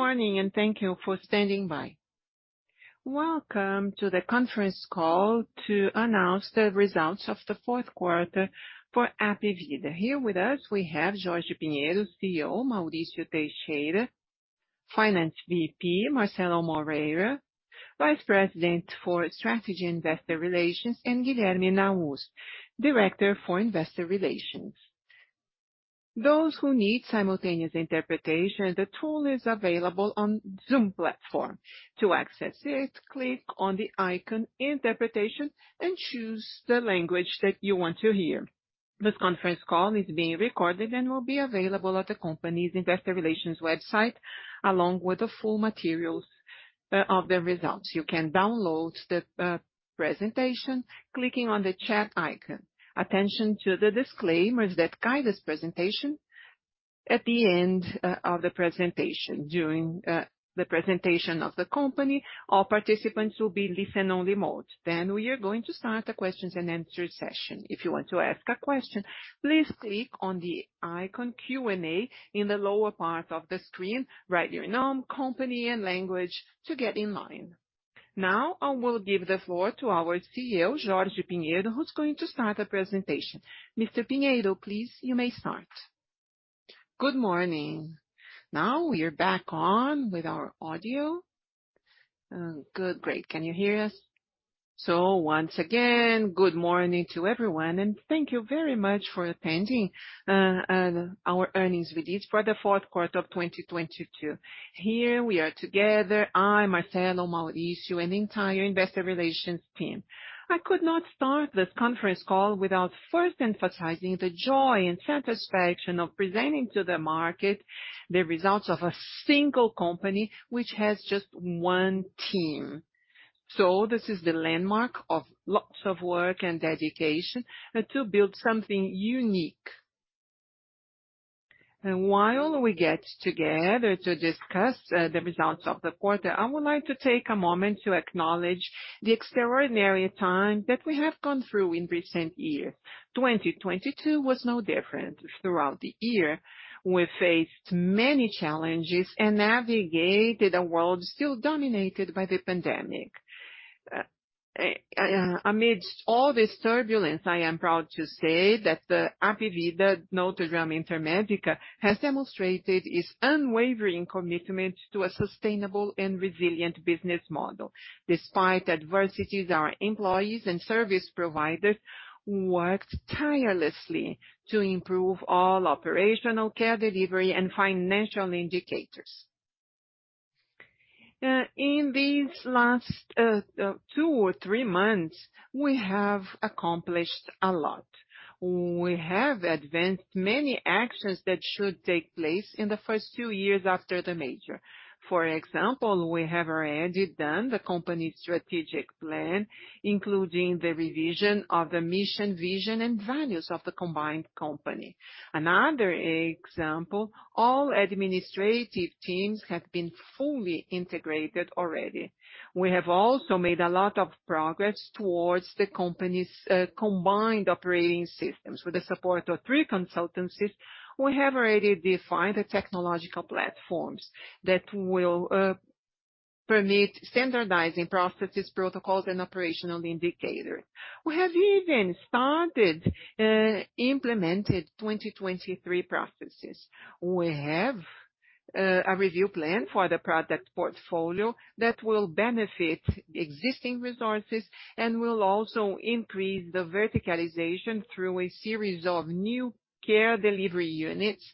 Good morning. Thank you for standing by. Welcome to the conference call to announce the results of the fourth quarter for Hapvida. Here with us we have Jorge Pinheiro, CEO. Mauricio Teixeira, Finance VP. Marcelo Moreira, Vice President for Strategy Investor Relations, and Guilherme Nahuz, Director for Investor Relations. Those who need simultaneous interpretation, the tool is available on Zoom platform. To access it, click on the icon Interpretation and choose the language that you want to hear. This conference call is being recorded and will be available at the company's investor relations website, along with the full materials of the results. You can download the presentation clicking on the chat icon. Attention to the disclaimers that guide this presentation at the end of the presentation. During the presentation of the company, all participants will be listen-only mode. We are going to start a question-and-answer session. If you want to ask a question, please click on the icon Q&A in the lower part of the screen. Write your name, company and language to get in line. I will give the floor to our CEO, Jorge Pinheiro, who's going to start the presentation. Mr. Pinheiro, please, you may start. Good morning. We are back on with our audio. Good. Great. Can you hear us? Once again, good morning to everyone, and thank you very much for attending our earnings release for the fourth quarter of 2022. Here we are together, I, Marcelo, Mauricio, and the entire investor relations team. I could not start this conference call without first emphasizing the joy and satisfaction of presenting to the market the results of a single company which has just one team. This is the landmark of lots of work and dedication to build something unique. While we get together to discuss the results of the quarter, I would like to take a moment to acknowledge the extraordinary time that we have gone through in recent years. 2022 was no different. Throughout the year, we faced many challenges and navigated a world still dominated by the pandemic. Amidst all this turbulence, I am proud to say that the Hapvida NotreDame Intermédica has demonstrated its unwavering commitment to a sustainable and resilient business model. Despite adversities, our employees and service providers worked tirelessly to improve all operational care delivery and financial indicators. In these last two or three months, we have accomplished a lot. We have advanced many actions that should take place in the first two years after the merger. For example, we have already done the company's strategic plan, including the revision of the mission, vision and values of the combined company. Another example, all administrative teams have been fully integrated already. We have also made a lot of progress towards the company's combined operating systems. With the support of three consultancies, we have already defined the technological platforms that will permit standardizing processes, protocols and operational indicators. We have even started implemented 2023 processes. We have a review plan for the product portfolio that will benefit existing resources and will also increase the verticalization through a series of new care delivery units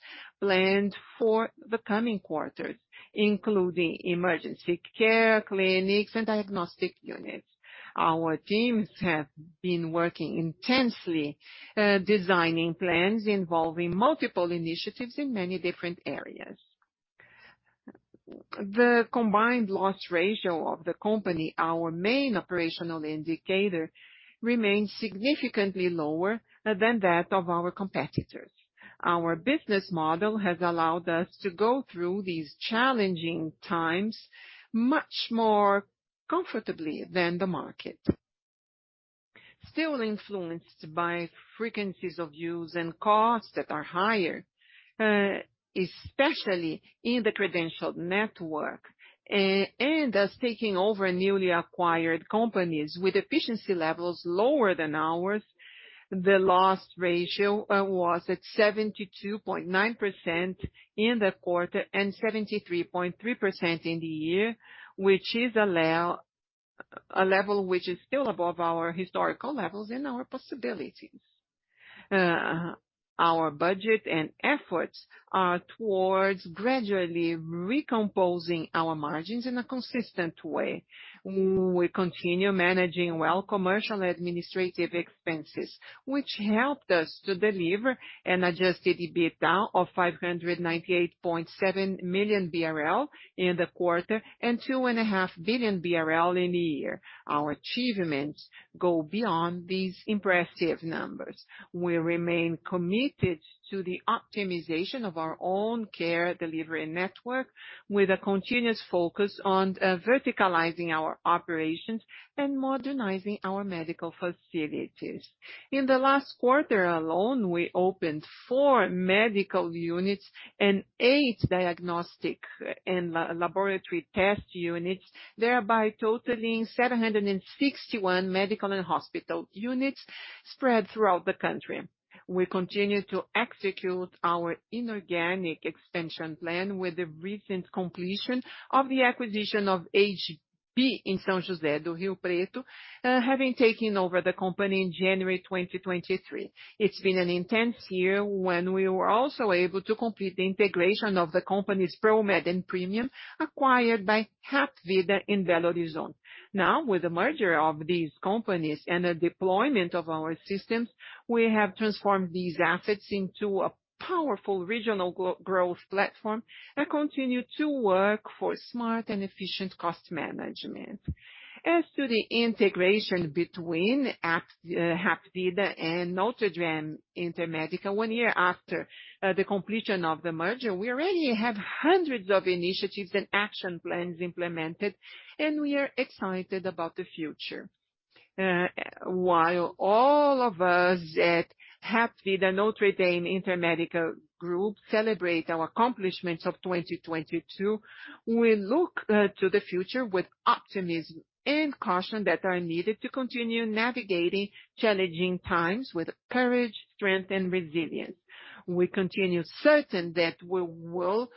planned for the coming quarters, including emergency care clinics and diagnostic units. Our teams have been working intensely designing plans involving multiple initiatives in many different areas. The combined loss ratio of the company, our main operational indicator, remains significantly lower than that of our competitors. Our business model has allowed us to go through these challenging times much more comfortably than the market. Still influenced by frequencies of use and costs that are higher, especially in the credentialed network. As taking over newly acquired companies with efficiency levels lower than ours, the loss ratio was at 72.9% in the quarter and 73.3% in the year, which is a level which is still above our historical levels and our possibilities. Our budget and efforts are towards gradually recomposing our margins in a consistent way. We continue managing well commercial administrative expenses, which helped us to deliver an adjusted EBITDA of 598.7 million BRL in the quarter and 2.5 billion BRL in the year. Our achievements go beyond these impressive numbers. We remain committed to the optimization of our own care delivery network, with a continuous focus on verticalizing our operations and modernizing our medical facilities. In the last quarter alone, we opened four medical units and eight diagnostic and laboratory test units, thereby totaling 761 medical and hospital units spread throughout the country. We continue to execute our inorganic expansion plan with the recent completion of the acquisition of HB in São José do Rio Preto, having taken over the company in January 2023. It's been an intense year when we were also able to complete the integration of the company's Promed and Premium, acquired by Hapvida in Belo Horizonte. Now, with the merger of these companies and the deployment of our systems, we have transformed these assets into a powerful regional growth platform and continue to work for smart and efficient cost management. As to the integration between Hapvida and NotreDame Intermédica, one year after the completion of the merger, we already have hundreds of initiatives and action plans implemented, and we are excited about the future. While all of us at Hapvida and NotreDame Intermédica group celebrate our accomplishments of 2022, we look to the future with optimism and caution that are needed to continue navigating challenging times with courage, strength, and resilience. We continue certain that we will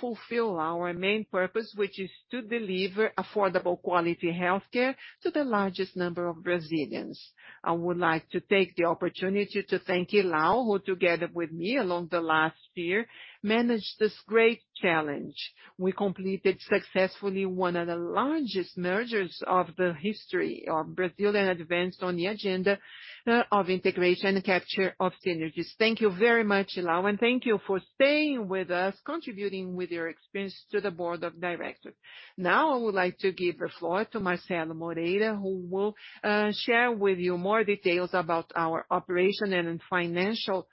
fulfill our main purpose, which is to deliver affordable quality healthcare to the largest number of Brazilians. I would like to take the opportunity to thank Hilal, who together with me along the last year, managed this great challenge. We completed successfully one of the largest mergers of the history of Brazil and advanced on the agenda of integration and capture of synergies. Thank you very much, Hilal, and thank you for staying with us, contributing with your experience to the board of directors. I would like to give the floor to Marcelo Moreira, who will share with you more details about our operation and financial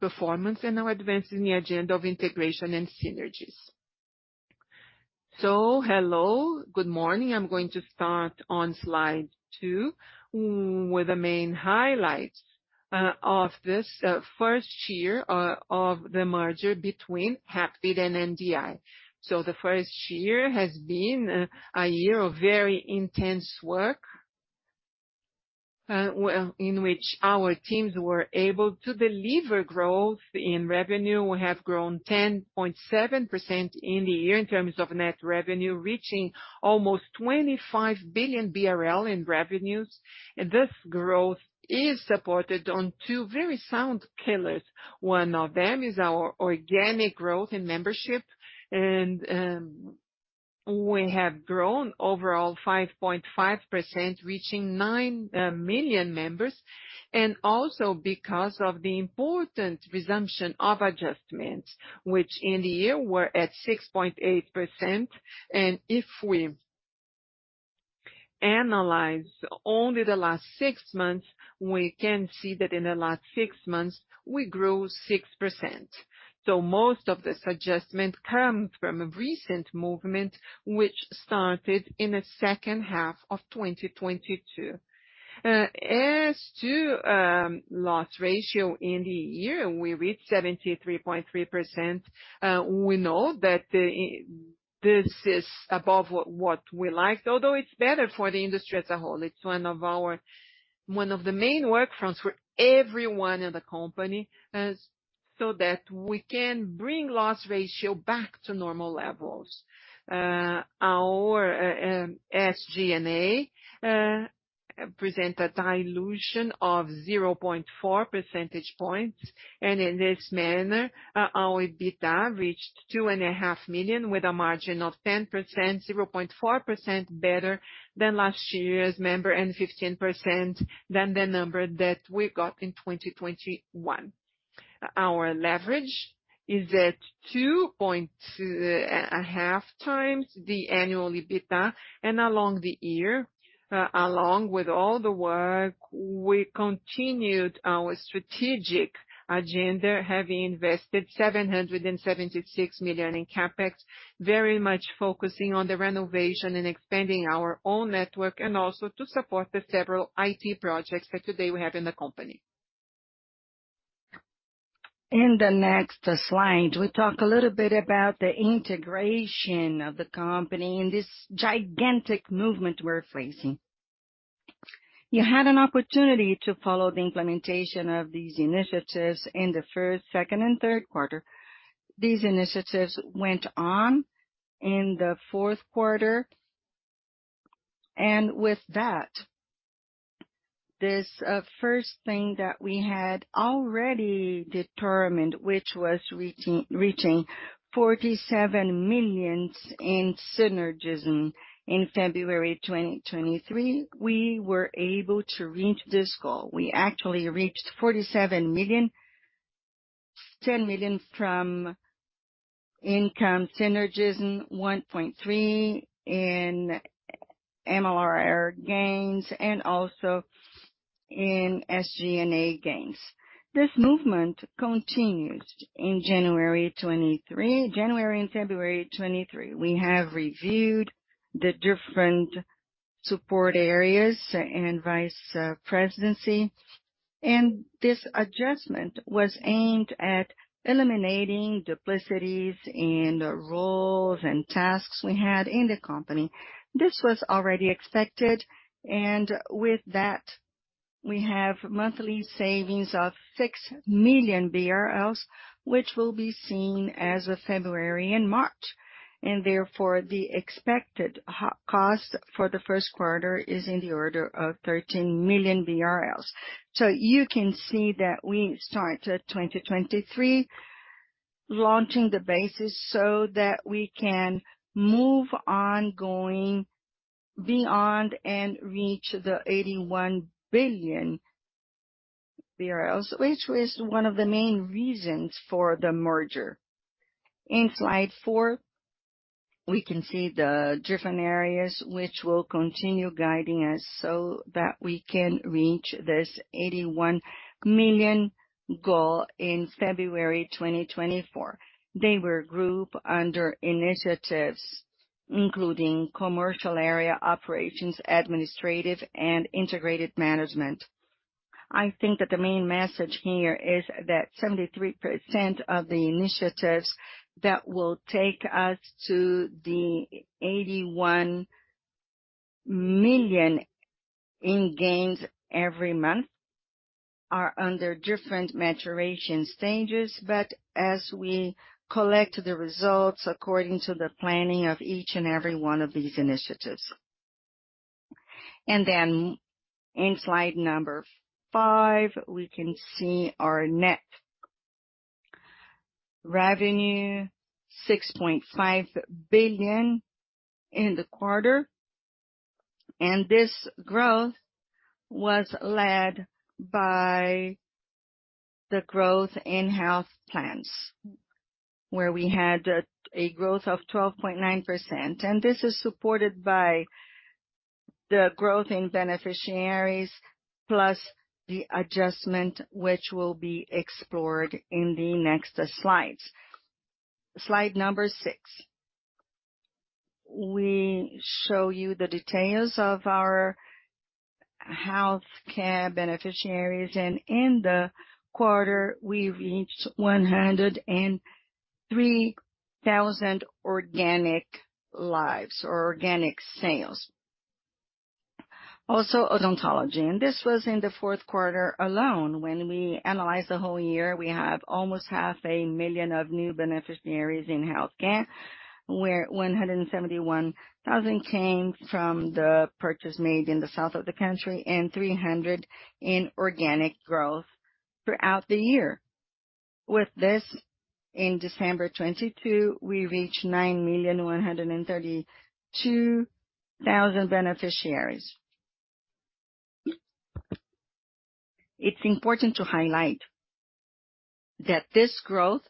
performance and our advances in the agenda of integration and synergies. Hello, good morning. I'm going to start on Slide 2 with the main highlights of this first year of the merger between Hapvida and NDI. The first year has been a year of very intense work. Well, in which our teams were able to deliver growth in revenue. We have grown 10.7% in the year in terms of net revenue, reaching almost 25 billion BRL in revenues. This growth is supported on two very sound pillars. One of them is our organic growth in membership. We have grown overall 5.5%, reaching nine million members, and also because of the important resumption of adjustments, which in the year were at 6.8%. If we analyze only the last six months, we can see that in the last six months we grew 6%. Most of this adjustment comes from a recent movement which started in the second half of 2022. As to loss ratio in the year, we reached 73.3%. We know that this is above what we like, although it's better for the industry as a whole. It's one of the main work fronts for everyone in the company, so that we can bring loss ratio back to normal levels. Our SG&A present a dilution of 0.4 percentage points. In this manner, our EBITDA reached 2.5 million with a margin of 10%, 0.4% better than last year's member, and 15% than the number that we got in 2021. Our leverage is at 2.5x the annual EBITDA. Along the year, along with all the work, we continued our strategic agenda, having invested 776 million in CapEx, very much focusing on the renovation and expanding our own network and also to support the several IT projects that today we have in the company. In the next slide, we talk a little bit about the integration of the company and this gigantic movement we're facing. You had an opportunity to follow the implementation of these initiatives in the first, second, and third quarter. These initiatives went on in the fourth quarter. With that, this first thing that we had already determined, which was reaching 47 million in synergism in February 2023, we were able to reach this goal. We actually reached 47 million- 10 million from income synergies, 1.3 in MLR gains also in SG&A gains. This movement continues in January 2023. January and February 2023. We have reviewed the different support areas and vice presidency. This adjustment was aimed at eliminating duplicities in the roles and tasks we had in the company. This was already expected. With that, we have monthly savings of 6 million BRL, which will be seen as of February and March. Therefore the expected cost for the first quarter is in the order of 13 million BRL. You can see that we started 2023 launching the basis so that we can move on going beyond and reach the 81 billion BRL, which was one of the main reasons for the merger. In Slide 4, we can see the different areas which will continue guiding us so that we can reach this 81 million goal in February 2024. They were grouped under initiatives including commercial area operations, administrative, and integrated management. I think that the main message here is that 73% of the initiatives that will take us to the 81 million in gains every month are under different maturation stages, but as we collect the results according to the planning of each and every one of these initiatives. In Slide number 5, we can see our net revenue, 6.5 billion in the quarter. This growth was led by the growth in health plans, where we had a growth of 12.9%. This is supported by the growth in beneficiaries, plus the adjustment which will be explored in the next slides. Slide number 6. In the quarter, we reached 103,000 organic lives or organic sales. Also, odontology, this was in the 4th quarter alone. When we analyze the whole year, we have almost 500,000 new beneficiaries in healthcare, where 171,000 came from the purchase made in the south of the country and 300,000 in organic growth throughout the year. With this, in December 2022, we reached 9,132,000 beneficiaries. It's important to highlight that this growth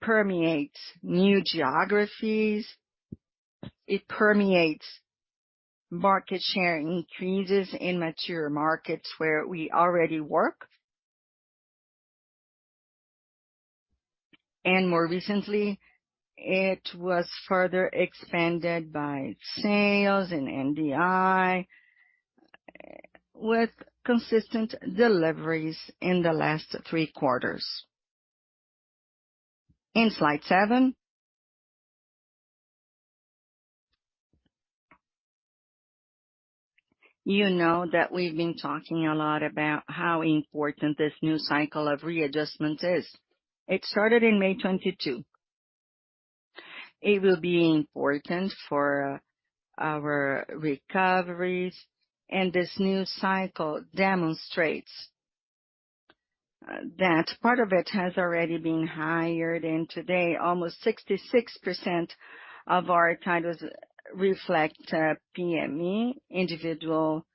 permeates new geographies. It permeates market share increases in mature markets where we already work. More recently, it was further expanded by sales and NDI with consistent deliveries in the last three quarters. In Slide 7, you know that we've been talking a lot about how important this new cycle of readjustment is. It started in May 2022. It will be important for our recoveries. This new cycle demonstrates that part of it has already been hired. Today almost 66% of our titles reflect PME individual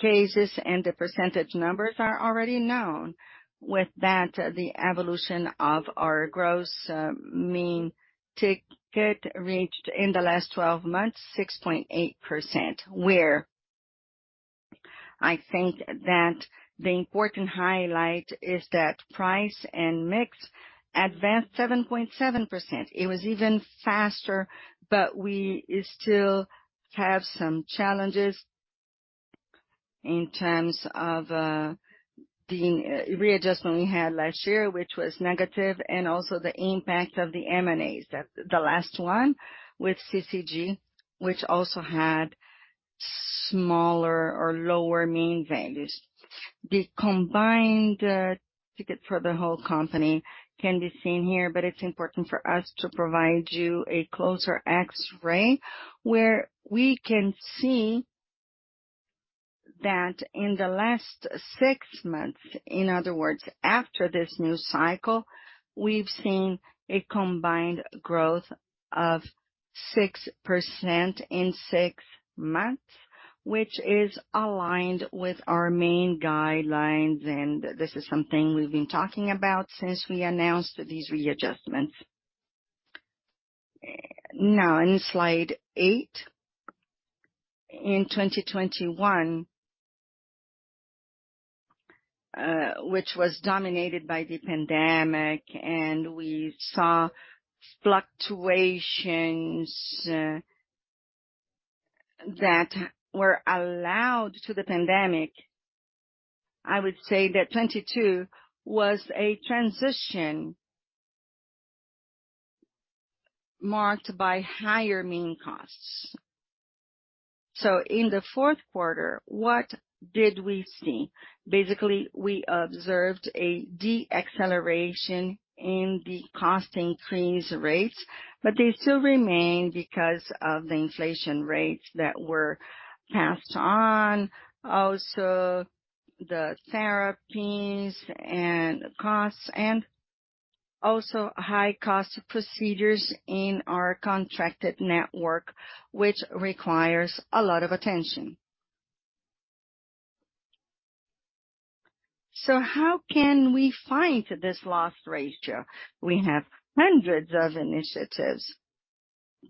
cases and the percentage numbers are already known. With that, the evolution of our gross mean ticket reached in the last 12 months, 6.8%, where I think that the important highlight is that price and mix advanced 7.7%. It was even faster. We still have some challenges in terms of the readjustment we had last year, which was negative, and also the impact of the M&As. The last one with CCG, which also had smaller or lower mean values. The combined ticket for the whole company can be seen here. It's important for us to provide you a closer X-ray where we can see that in the last six months, in other words, after this new cycle, we've seen a combined growth of 6% in six months, which is aligned with our main guidelines. This is something we've been talking about since we announced these readjustments. Now in Slide 8. In 2021, which was dominated by the pandemic, and we saw fluctuations that were allowed to the pandemic. I would say that 2022 was a transition marked by higher mean costs. In the 4th quarter, what did we see? Basically, we observed a deceleration in the cost increase rates, but they still remain because of the inflation rates that were passed on. Also the therapies and costs and also high cost procedures in our contracted network, which requires a lot of attention. How can we fight this loss ratio? We have hundreds of initiatives,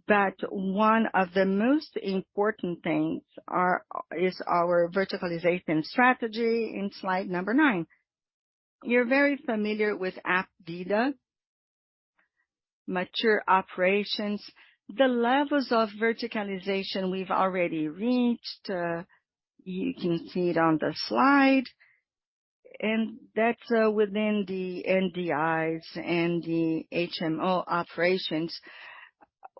but one of the most important things is our verticalization strategy in Slide number 9. You're very familiar with Hapvida. Mature operations. The levels of verticalization we've already reached, you can see it on the slide, and that's within the NDI and the HMO operations,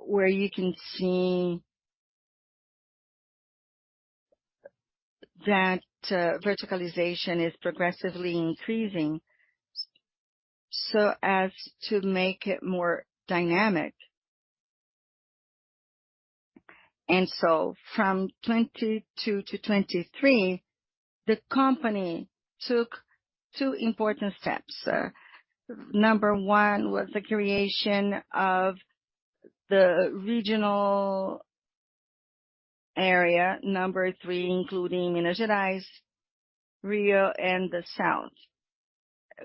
where you can see that verticalization is progressively increasing, so as to make it more dynamic. From 2022 to 2023, the company took two important steps. Number one was the creation of the regional area. Number three, including Minas Gerais, Rio, and the South.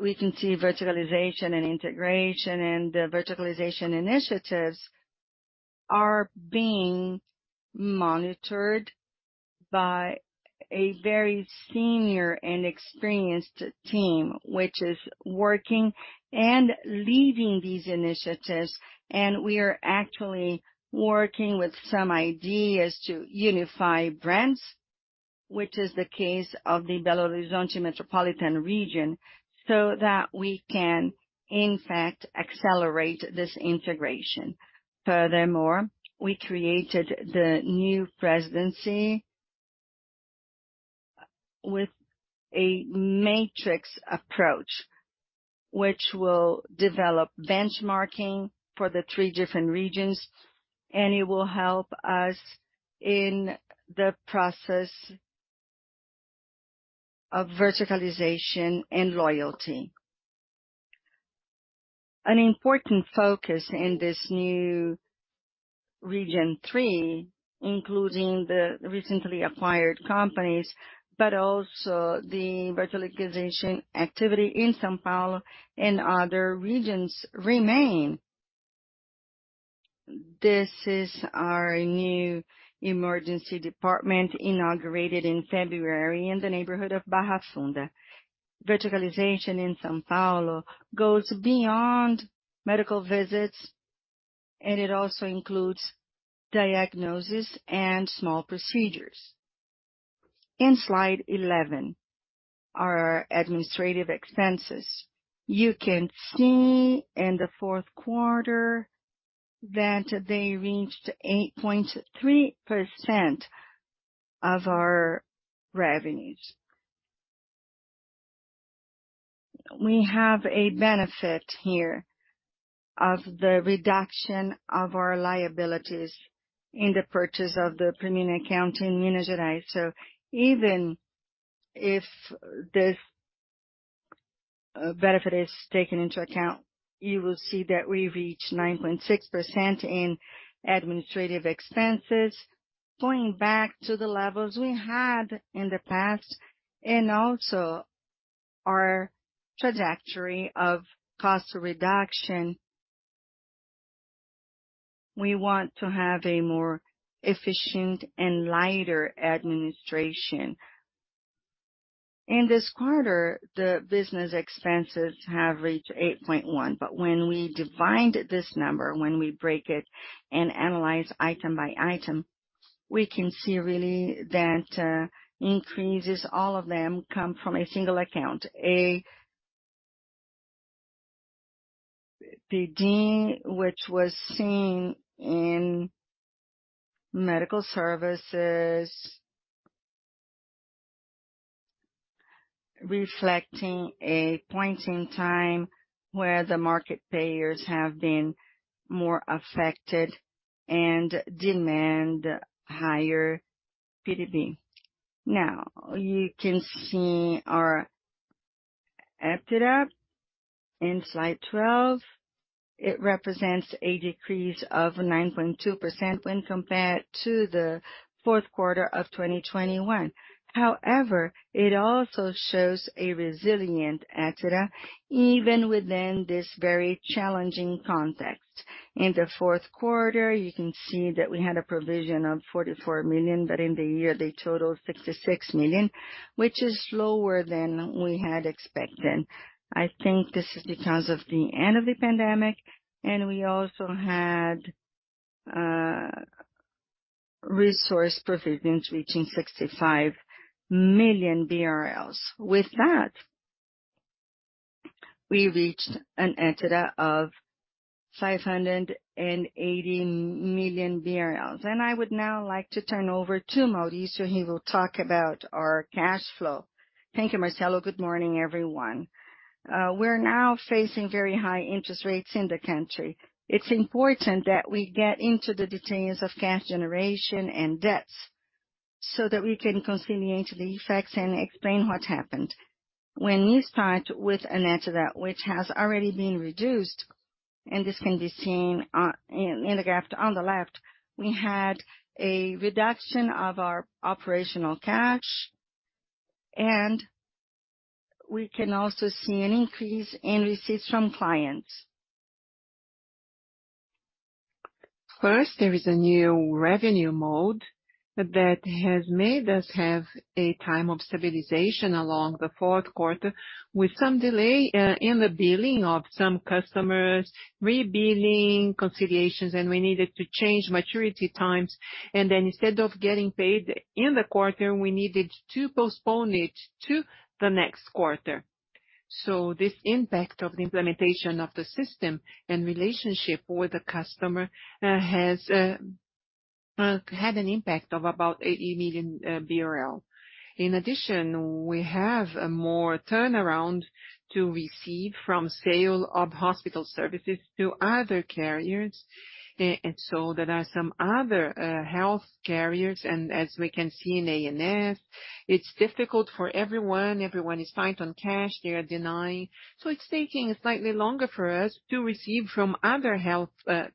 We can see verticalization and integration, the verticalization initiatives are being monitored by a very senior and experienced team, which is working and leading these initiatives. We are actually working with some ideas to unify brands, which is the case of the Belo Horizonte Metropolitan region, so that we can in fact accelerate this integration. We created the new presidency with a matrix approach, which will develop benchmarking for the three different regions, it will help us in the process of verticalization and loyalty. An important focus in this new region three, including the recently acquired companies, also the verticalization activity in São Paulo and other regions remain. This is our new emergency department, inaugurated in February in the neighborhood of Barra Funda. Verticalization in São Paulo goes beyond medical visits, it also includes diagnosis and small procedures. In Slide 11, our administrative expenses. You can see in the fourth quarter that they reached 8.3% of our revenues. We have a benefit here of the reduction of our liabilities in the purchase of the premium account in Minas Gerais. Even if this benefit is taken into account, you will see that we reached 9.6% in administrative expenses, going back to the levels we had in the past and also our trajectory of cost reduction. We want to have a more efficient and lighter administration. In this quarter, the business expenses have reached 8.1%. When we divide this number, when we break it and analyze item by item, we can see really that increases, all of them come from a single account. A PDD which was seen in medical services, reflecting a point in time where the market payers have been more affected and demand highDr PDD. Now you can see our EBITDA. In Slide 12, it represents a decrease of 9.2% when compared to the fourth quarter of 2021. However, it also shows a resilient EBITDA even within this very challenging context. In the fourth quarter, you can see that we had a provision of 44 million, but in the year they totaled 66 million, which is lower than we had expected. I think this is because of the end of the pandemic, and we also had resource provisions reaching 65 million BRL. With that, we reached an EBITDA of 580 million. I would now like to turn over to Maurício. He will talk about our cash flow. Thank you, Marcelo. Good morning, everyone. We're now facing very high interest rates in the country. It's important that we get into the details of cash generation and debts so that we can continue to the effects and explain what happened. When you start with an EBITDA, which has already been reduced, and this can be seen in the graph on the left, we had a reduction of our operational cash, and we can also see an increase in receipts from clients. First, there is a new revenue mode that has made us have a time of stabilization along the fourth quarter with some delay in the billing of some customers rebilling consolidations, and we needed to change maturity times. Instead of getting paid in the quarter, we needed to postpone it to the next quarter. This impact of the implementation of the system and relationship with the customer has had an impact of about 80 million BRL. In addition, we have more turnaround to receive from sale of hospital services to other carriers. There are some other health carriers. As we can see in ANS, it's difficult for everyone. Everyone is tight on cash. They are denying. It's taking slightly longer for us to receive from other health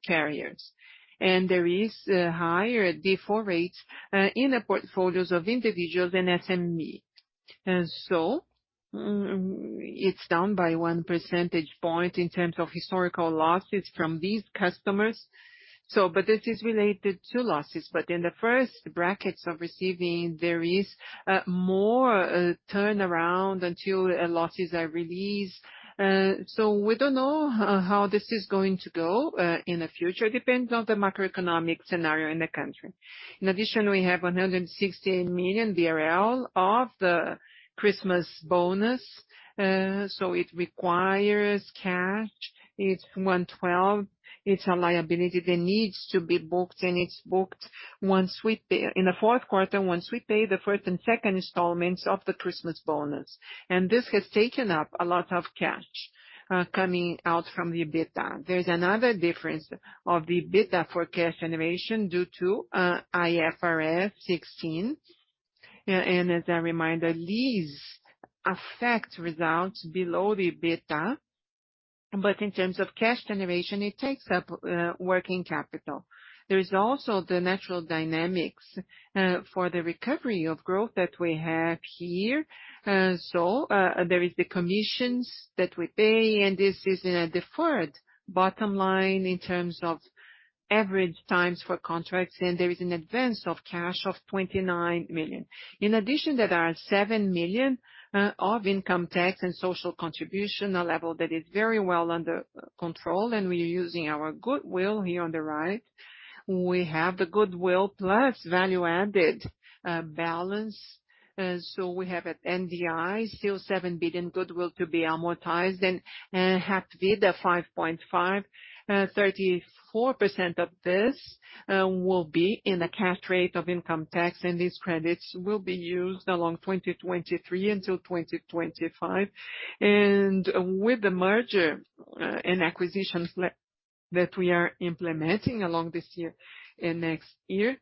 carriers. There is higher default rates in the portfolios of individuals than SME. It's down by 1 percentage point in terms of historical losses from these customers. This is related to losses, but in the first brackets of receiving, there is more turnaround until losses are released. We don't know how this is going to go in the future. Depends on the macroeconomic scenario in the country. In addition, we have 168 million BRL of the Christmas bonus. It requires cash. It's 112. It's a liability that needs to be booked, and it's booked once we pay in the fourth quarter, once we pay the first and second installments of the Christmas bonus. This has taken up a lot of cash, coming out from the EBITDA. There's another difference of the EBITDA for cash generation due to IFRS 16. As a reminder, these affect results below the EBITDA, but in terms of cash generation, it takes up working capital. There is also the natural dynamics for the recovery of growth that we have here. There is the commissions that we pay, and this is in a deferred bottom line in terms of average times for contracts. There is an advance of cash of 29 million. In addition, there are 7 million of income tax and social contribution, a level that is very well under control. We are using our goodwill here on the right. We have the goodwill plus value-added balance. We have at NDI, still 7 billion goodwill to be amortized and Hapvida 5.5 billion. 34% of this will be in a cash rate of income tax. These credits will be used along 2023 until 2025. With the merger and acquisitions that we are implementing along this year and next year,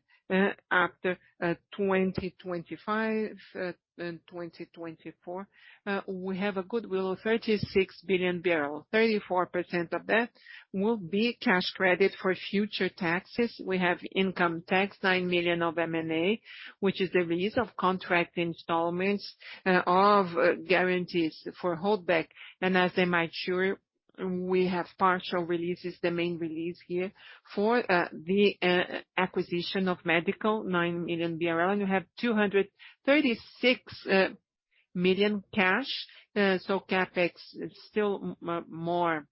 after 2025 and 2024, we have a goodwill of 36 billion. 34% of that will be cash credit for future taxes. We have income tax, 9 million of M&A, which is the release of contract installments of guarantees for holdback. As they mature, we have partial releases, the main release here for the acquisition of medical, 9 million BRL, and you have 236 million cash. CapEx is still more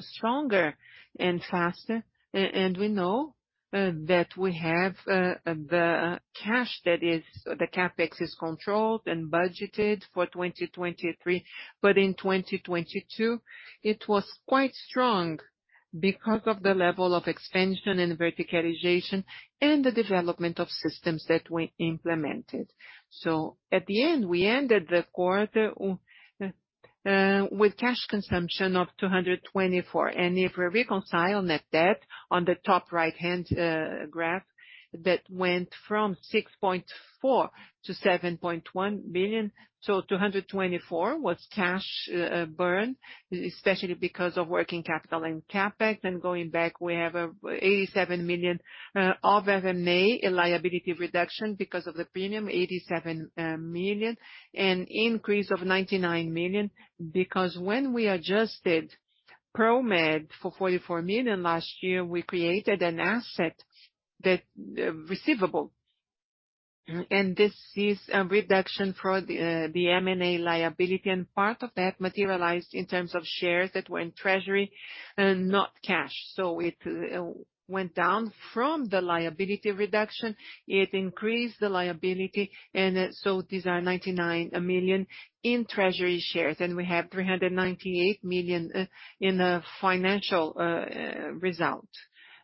stronger and faster. And we know that we have the CapEx is controlled and budgeted for 2023. In 2022, it was quite strong because of the level of expansion and verticalization and the development of systems that we implemented. At the end, we ended the quarter. With cash consumption of 224 million. If we reconcile net debt on the top right-hand graph that went from 6.4 billion to 7.1 billion. 224 million was cash burn, especially because of working capital and CapEx. Going back, we have 87 million of M&A liability reduction because of the premium, 87 million. An increase of 99 million, because when we adjusted Promed for 44 million last year, we created an asset that receivable. This is a reduction for the M&A liability, and part of that materialized in terms of shares that went treasury, not cash. It went down from the liability reduction. It increased the liability. These are 99 million in treasury shares. We have 398 million in the financial result.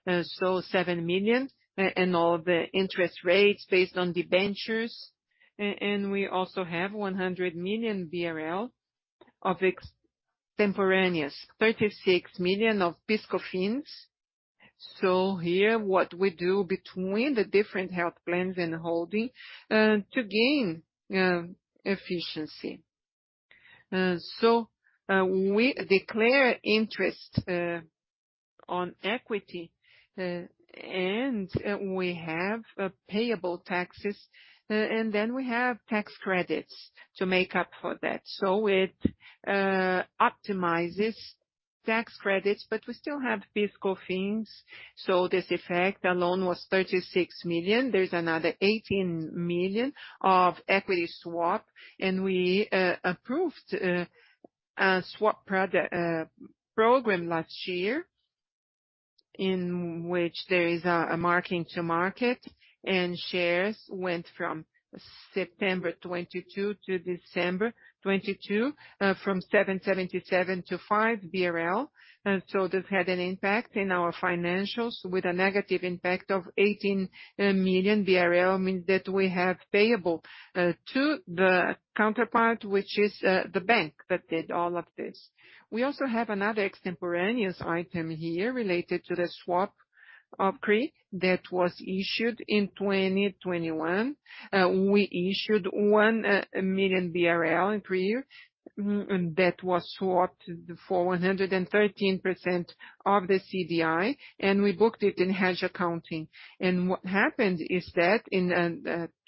7 million in all the interest rates based on debentures. We also have 100 million BRL of extemporaneous, 36 million of PIS/COFINS. Here, what we do between the different health plans and the holding to gain efficiency. We declare interest on equity, and we have payable taxes, we have tax credits to make up for that. It optimizes tax credits, but we still have PIS/COFINS. This effect alone was 36 million. There's another 18 million of equity swap. We approved a swap program last year, in which there is a marking to market, and shares went from September 22 to December 22, from 7.77 to 5 BRL. This had an impact in our financials with a negative impact of 18 million BRL, means that we have payable to the counterpart, which is the bank that did all of this. We also have another extemporaneous item here related to the swap of CRI that was issued in 2021. We issued 1 million BRL in CRI, that was swapped for 113% of the CDI, and we booked it in hedge accounting. What happened is that in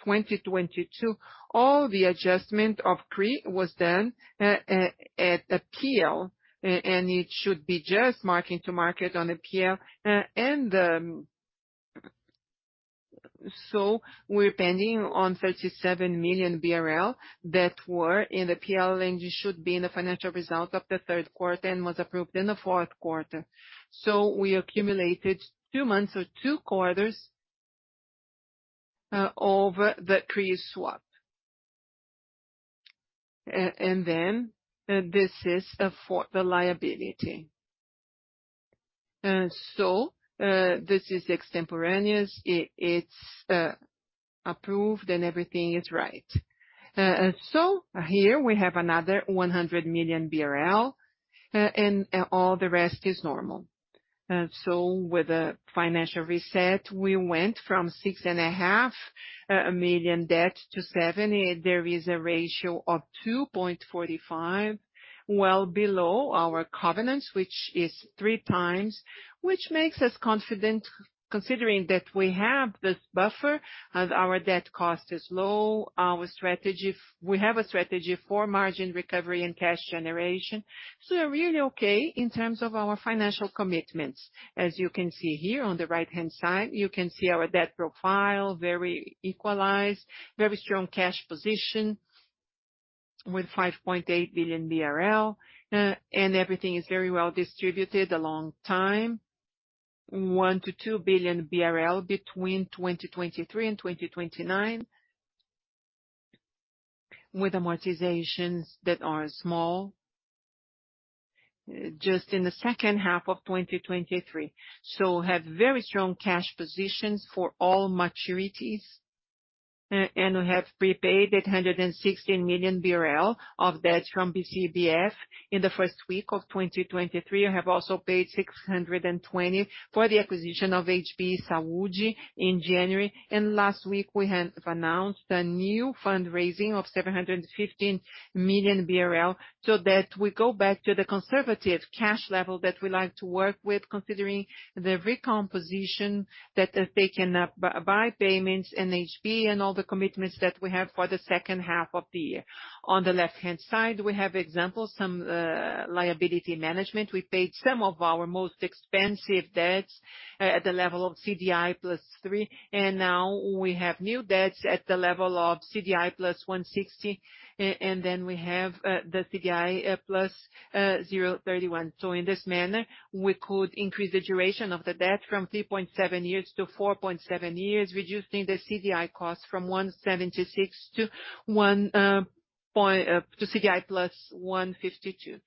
2022, all the adjustment of CRI was done at PL, and it should be just marking to market on the PL. We're pending on 37 million BRL that were in the PL range. It should be in the financial result of the third quarter and was approved in the fourth quarter. We accumulated two months or two quarters of the CRI swap. This is for the liability. This is extemporaneous. It's approved and everything is right. Here we have another 100 million BRL, and all the rest is normal. With the financial reset, we went from six and a half million BRL debt to seven million BRL. There is a ratio of 2.45, well below our covenants, which is 3x, which makes us confident considering that we have this buffer. Our debt cost is low. We have a strategy for margin recovery and cash generation. We're really okay in terms of our financial commitments. As you can see here on the right-hand side, you can see our debt profile, very equalized, very strong cash position with 5.8 billion BRL. Everything is very well distributed along time. 1 billion-2 billion BRL between 2023 and 2029, with amortizations that are small, just in the second half of 2023. Have very strong cash positions for all maturities. We have prepaid 816 million BRL of debt from BCBF in the first week of 2023. We have also paid 620 for the acquisition of HB Saúde in January. Last week, we have announced a new fundraising of 715 million BRL so that we go back to the conservative cash level that we like to work with, considering the recomposition that has taken up by payments in HB and all the commitments that we have for the second half of the year. On the left-hand side, we have examples, some liability management. We paid some of our most expensive debts at the level of CDI +3. Now we have new debts at the level of CDI +160. Then we have the CDI plus 0.31. In this manner, we could increase the duration of the debt from 3.7 years to 4.7 years, reducing the CDI cost from 176 to CDI plus 152.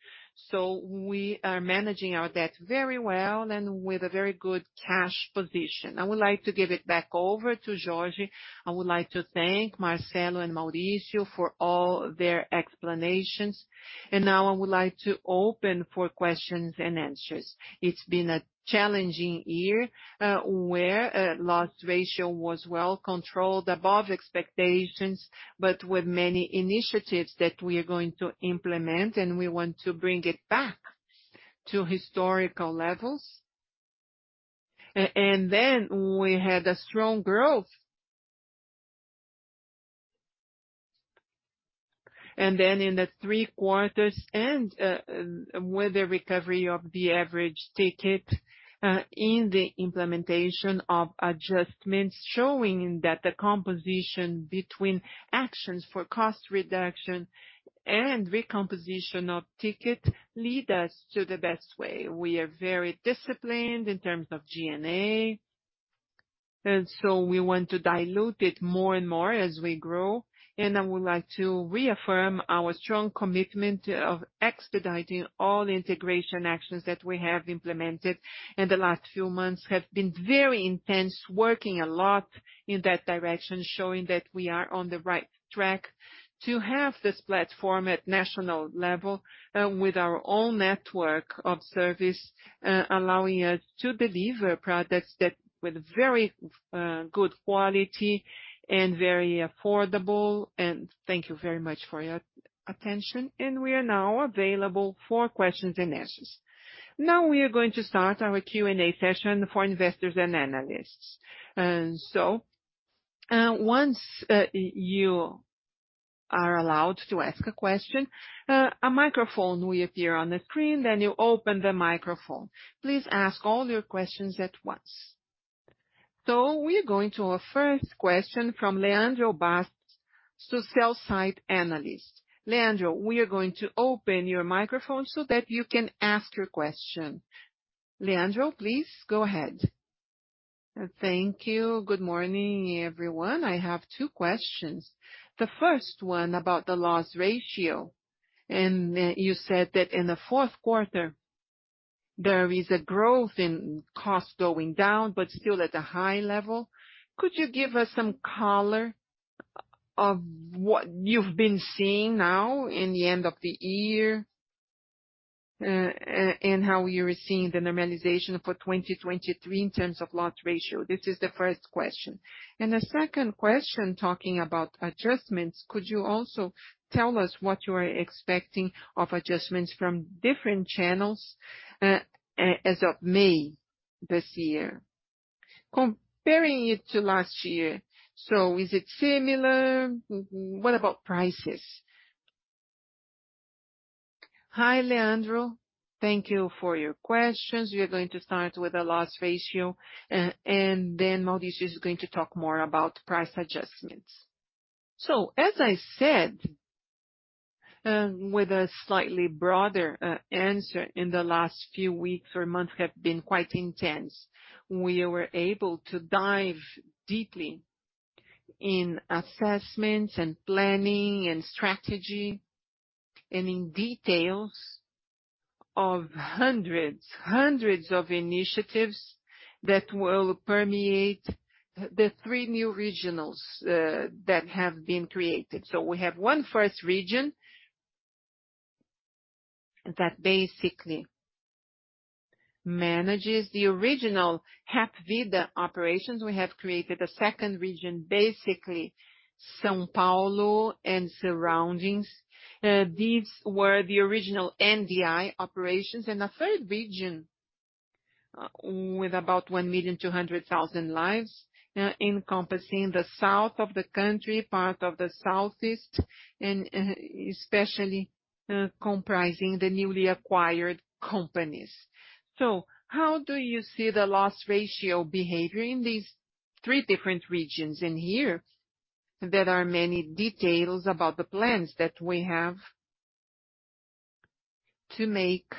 We are managing our debt very well and with a very good cash position. I would like to give it back over to Jorge. I would like to thank Marcelo and Mauricio for all their explanations. Now I would like to open for questions and answers. It's been a challenging year, where loss ratio was well controlled above expectations, but with many initiatives that we are going to implement, and we want to bring it back to historical levels. Then we had a strong growth. In the three quarters, with the recovery of the average ticket, in the implementation of adjustments, showing that the composition between actions for cost reduction and recomposition of ticket lead us to the best way. We are very disciplined in terms of G&A, we want to dilute it more and more as we grow. I would like to reaffirm our strong commitment of expediting all integration actions that we have implemented. The last few months have been very intense, working a lot in that direction, showing that we are on the right track to have this platform at national level, with our own network of service, allowing us to deliver products that with very good quality and very affordable. Thank you very much for your attention. We are now available for questions and answers. We are going to start our Q&A session for investors and analysts. Once you are allowed to ask a question, a microphone will appear on the screen, then you open the microphone. Please ask all your questions at once. We are going to our first question from Leandro Bastos, Citi analyst. Leandro, we are going to open your microphone so that you can ask your question. Leandro, please go ahead. Thank you. Good morning, everyone. I have two questions. The first one about the loss ratio. You said that in the fourth quarter, there is a growth in costs going down, but still at a high level. Could you give us some color of what you've been seeing now in the end of the year, and how you're seeing the normalization for 2023 in terms of loss ratio? This is the first question. The second question, talking about adjustments, could you also tell us what you are expecting of adjustments from different channels, as of May this year, comparing it to last year. Is it similar? What about prices? Hi, Leandro. Thank you for your questions. We are going to start with the loss ratio, and then Maurício is going to talk more about price adjustments. As I said, with a slightly broader answer, in the last few weeks or months have been quite intense. We were able to dive deeply in assessments and planning and strategy and in details of hundreds of initiatives that will permeate the three new regionals that have been created. We have one first region that basically manages the original Hapvida operations. We have created a second region, basically São Paulo and surroundings. These were the original NDI operations. A third region with about 1.2 million lives, encompassing the south of the country, part of the southeast, and especially, comprising the newly acquired companies. How do you see the loss ratio behavior in these three different regions? Here, there are many details about the plans that we have to make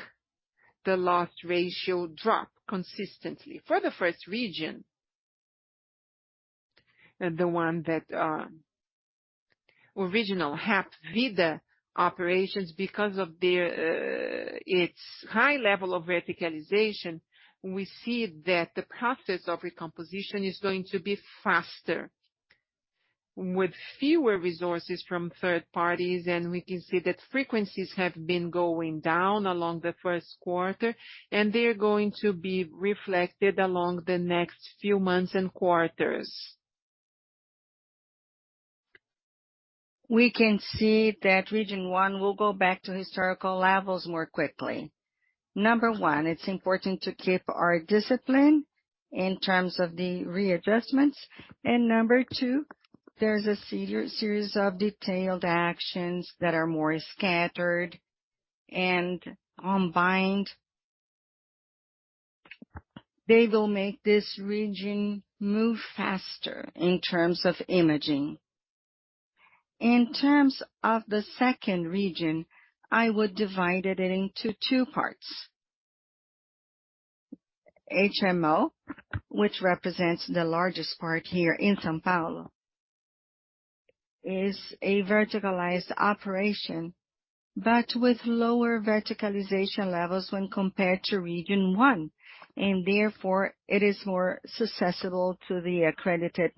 the loss ratio drop consistently. For the first region, the one that, original Hapvida operations, because of their, its high level of verticalization, we see that the process of recomposition is going to be faster with fewer resources from third parties, and we can see that frequencies have been going down along the first quarter, and they're going to be reflected along the next few months and quarters. We can see that region one will go back to historical levels more quickly. Number one, it's important to keep our discipline in terms of the readjustments. Number two, there's a series of detailed actions that are more scattered and combined. They will make this region move faster in terms of imaging. In terms of the second region, I would divide it into two parts. HMO, which represents the largest part here in São Paulo, is a verticalized operation, but with lower verticalization levels when compared to region one, and therefore it is more successful to the accredited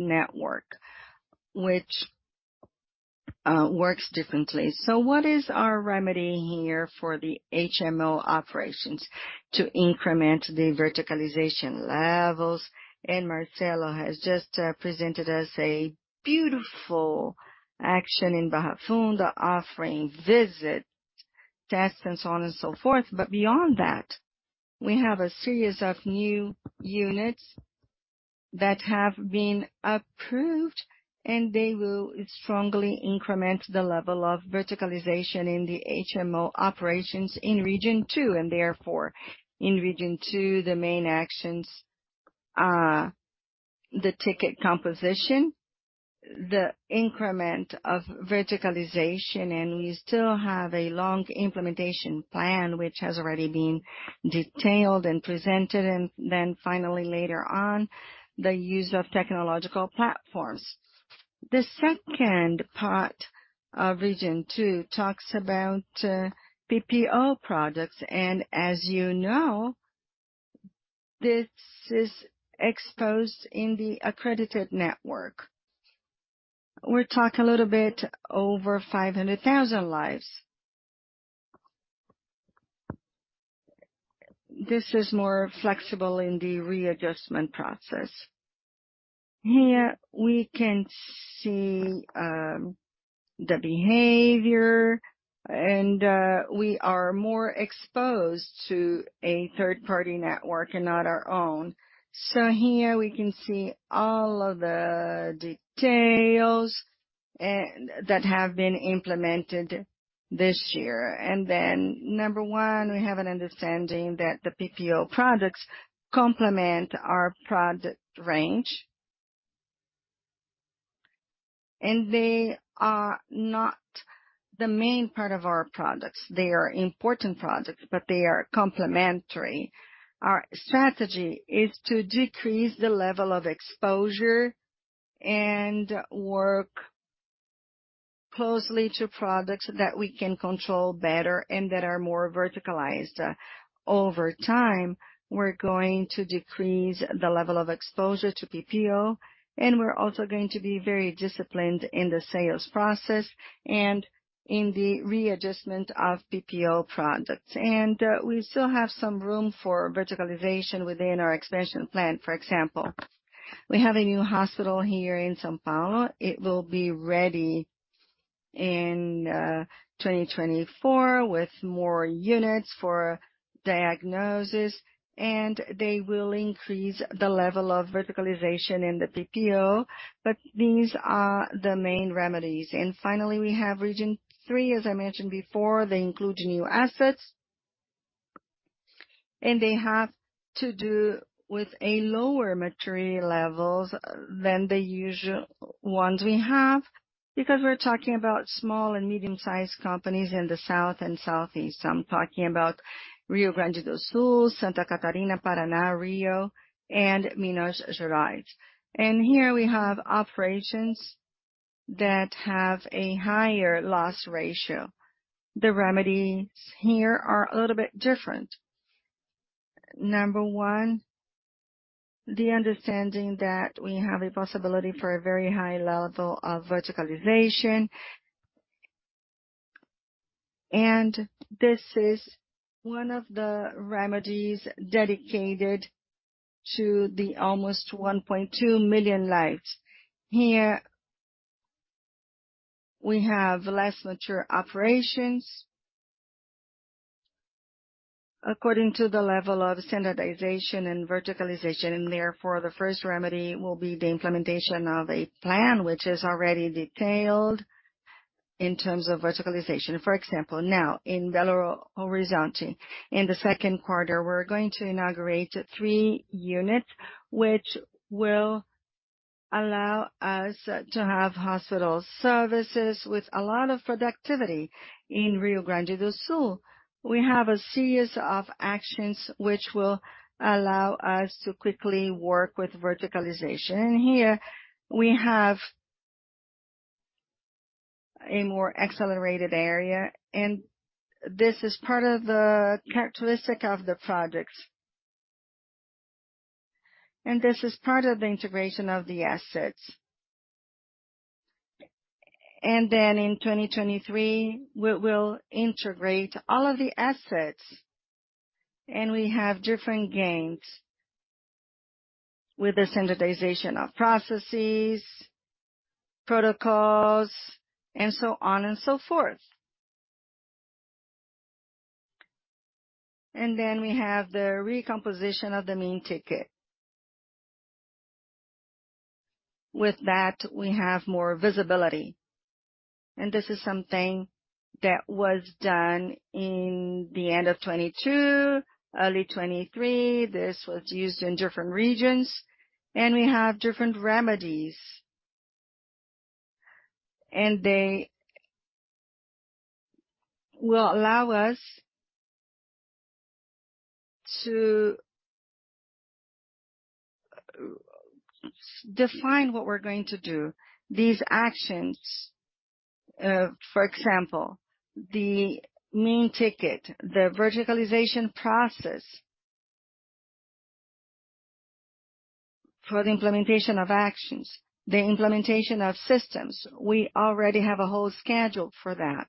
network, which works differently. What is our remedy here for the HMO operations to increment the verticalization levels? Marcelo has just presented us a beautiful action in Barra Funda, offering visit, tests, and so on and so forth. Beyond that, we have a series of new units that have been approved, and they will strongly increment the level of verticalization in the HMO operations in region two. Therefore, in region two, the main actions are the ticket composition, the increment of verticalization, and we still have a long implementation plan which has already been detailed and presented. Finally, later on, the use of technological platforms. The second part of region two talks about PPO products. As you know, this is exposed in the accredited network. We talk a little bit over 500,000 lives. This is more flexible in the readjustment process. Here we can see the behavior, and we are more exposed to a third-party network and not our own. Here we can see all of the details that have been implemented this year. Number one, we have an understanding that the PPO products complement our product range. They are not the main part of our products. They are important products, but they are complementary. Our strategy is to decrease the level of exposure and work closely to products that we can control better and that are more verticalized. Over time, we're going to decrease the level of exposure to PPO, and we're also going to be very disciplined in the sales process and in the readjustment of PPO products. We still have some room for verticalization within our expansion plan. For example, we have a new hospital here in São Paulo. It will be ready in 2024 with more units for diagnosis, and they will increase the level of verticalization in the PPO, but these are the main remedies. Finally, we have region three, as I mentioned before. They include new assets, and they have to do with a lower maturity levels than the usual ones we have, because we're talking about small and medium-sized companies in the south and southeast. I'm talking about Rio Grande do Sul, Santa Catarina, Paraná, Rio, and Minas Gerais. Here we have operations that have a higher loss ratio. The remedies here are a little bit different. Number one, the understanding that we have a possibility for a very high level of verticalization. This is one of the remedies dedicated to the almost 1.2 million lives. Here we have less mature operations according to the level of standardization and verticalization, and therefore, the first remedy will be the implementation of a plan which is already detailed in terms of verticalization. For example, now in Belo Horizonte, in the 2Q, we're going to inaugurate three units, which will allow us to have hospital services with a lot of productivity. In Rio Grande do Sul, we have a series of actions which will allow us to quickly work with verticalization. Here we have a more accelerated area. This is part of the characteristic of the projects. This is part of the integration of the assets. In 2023, we'll integrate all of the assets, and we have different gains with the standardization of processes, protocols, and so on and so forth. Then we have the recomposition of the main ticket. With that, we have more visibility. This is something that was done in the end20 of 22, early 2023. This was used in different regions, and we have different remedies. They will allow us to define what we're going to do. These actions, for example, the mini-ticket, the verticalization process. For the implementation of actions, the implementation of systems, we already have a whole schedule for that.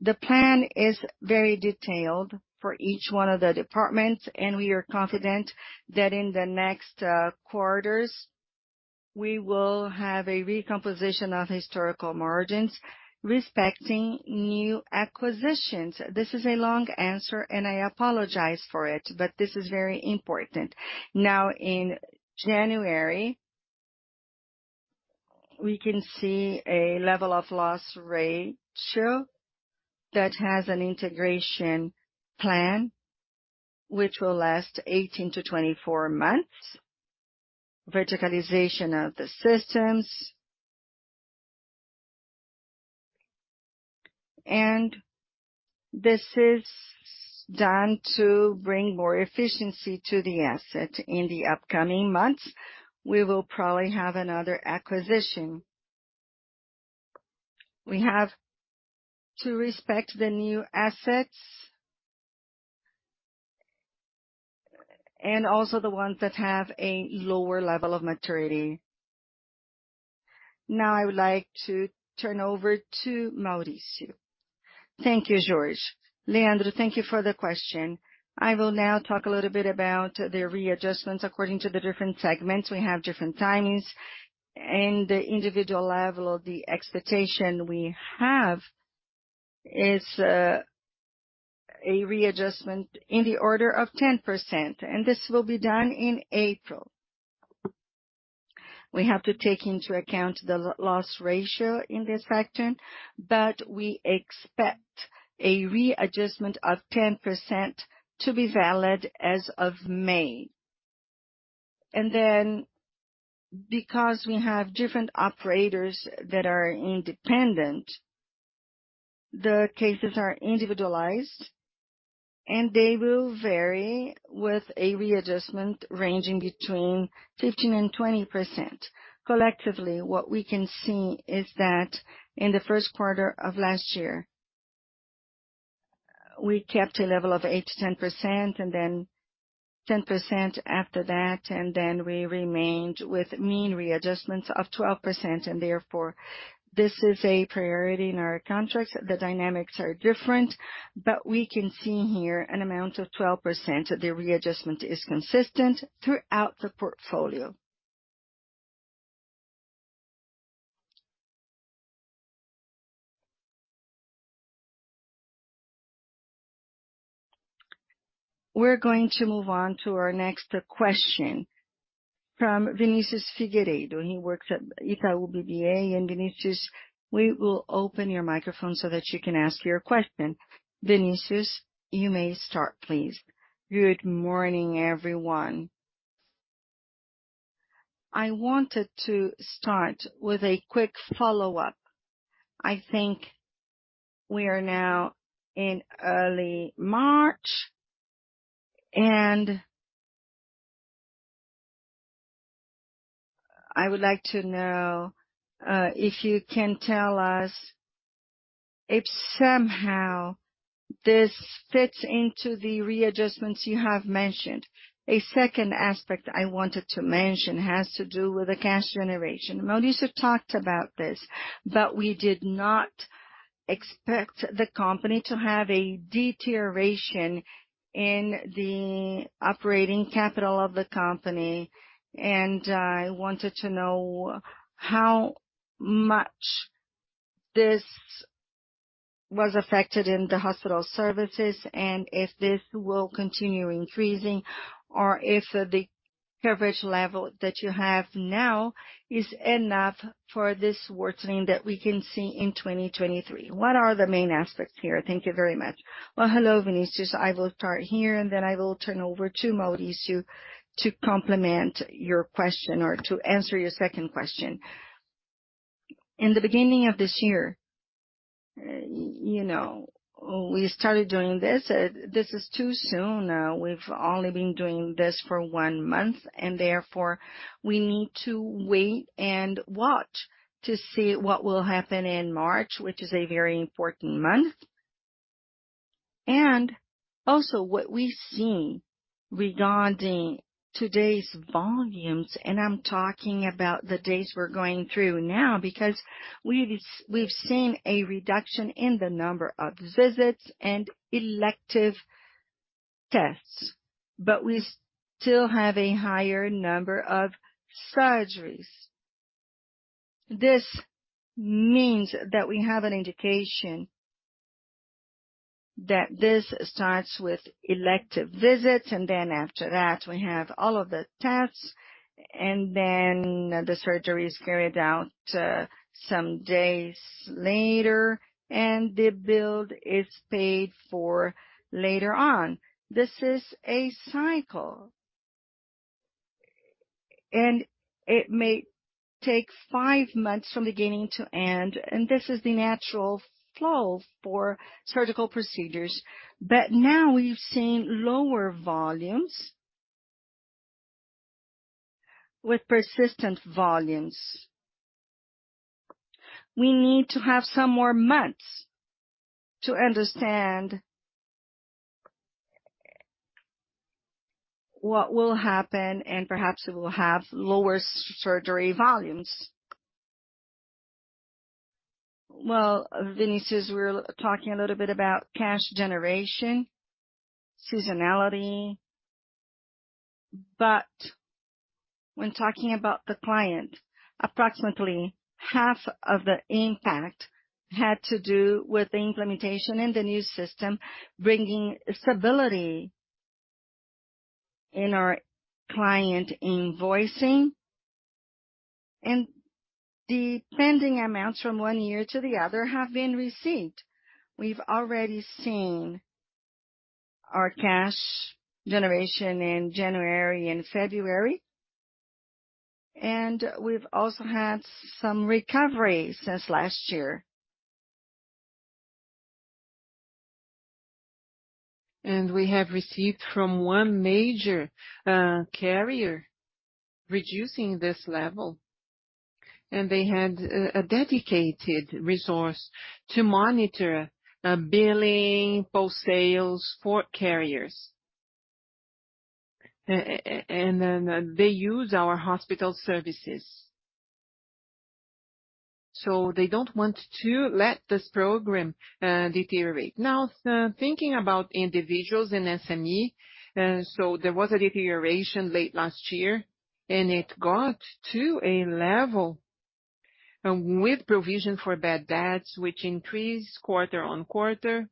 The plan is very detailed for each one of the departments, and we are confident that in the next quarters, we will have a recomposition of historical margins, respecting new acquisitions. This is a long answer, and I apologize for it, but this is very important. Now, in January, we can see a level of loss ratio that has an integration plan which will last 18-24 months. Verticalization of the systems. This is done to bring more efficiency to the asset. In the upcoming months, we will probably have another acquisition. We have to respect the new assets and also the ones that have a lower level of maturity. Now I would like to turn over to Maurício. Thank you, Jorge. Leandro, thank you for the question. I will now talk a little bit about the readjustments according to the different segments. We have different timings. In the individual level of the expectation we have is, a readjustment in the order of 10%. This will be done in April. We have to take into account the loss ratio in this factor, but we expect a readjustment of 10% to be valid as of May. Because we have different operators that are independent, the cases are individualized, and they will vary with a readjustment ranging between 15% and 20%. Collectively, what we can see is that in the first quarter of last year, we kept a level of 8%-10%, 10% after that, we remained with mean readjustments of 12%. Therefore, this is a priority in our contracts. The dynamics are different, but we can see here an amount of 12%. The readjustment is consistent throughout the portfolio. We're going to move on to our next question from Vinicius Figueiredo. He works at Itaú BBA. Vinicius, we will open your microphone so that you can ask your question. Vinicius, you may start, please. Good morning, everyone. I wanted to start with a quick follow-up. I think we are now in early March, and I would like to know if you can tell us if somehow this fits into the readjustments you have mentioned. A second aspect I wanted to mention has to do with the cash generation. Maurício talked about this. We did not expect the company to have a deterioration in the operating capital of the company. I wanted to know how much this was affected in the hospital services and if this will continue increasing or if the coverage level that you have now is enough for this worsening that we can see in 2023. What are the main aspects here? Thank you very much. Well, hello, Vinicius. I will start here, and then I will turn over to Maurício to complement your question or to answer your second question. In the beginning of this year, you know, we started doing this. This is too soon. We've only been doing this for one month, and therefore we need to wait and watch to see what will happen in March, which is a very important month. Also what we've seen regarding today's volumes, and I'm talking about the days we're going through now because we've seen a reduction in the number of visits and elective tests, but we still have a higher number of surgeries. This means that we have an indication that this starts with elective visits, and then after that we have all of the tests, and then the surgery is carried out, some days later and the bill is paid for later on. This is a cycle. It may take five months from beginning to end, and this is the natural flow for surgical procedures. Now we've seen lower volumes. With persistent volumes. We need to have some more months to understand what will happen, and perhaps we will have lower surgery volumes. Well, Vinicius, we're talking a little bit about cash generation, seasonality. When talking about the client, approximately half of the impact had to do with the implementation in the new system, bringing stability in our client invoicing. The pending amounts from one year to the other have been received. We've already seen our cash generation in January and February. We've also had some recovery since last year. We have received from one major carrier reducing this level, and they had a dedicated resource to monitor billing, post-sales for carriers. They use our hospital services. They don't want to let this program deteriorate. Thinking about individuals and SME, there was a deterioration late last year, and it got to a level with provision for bad debts, which increased quarter-on-quarter.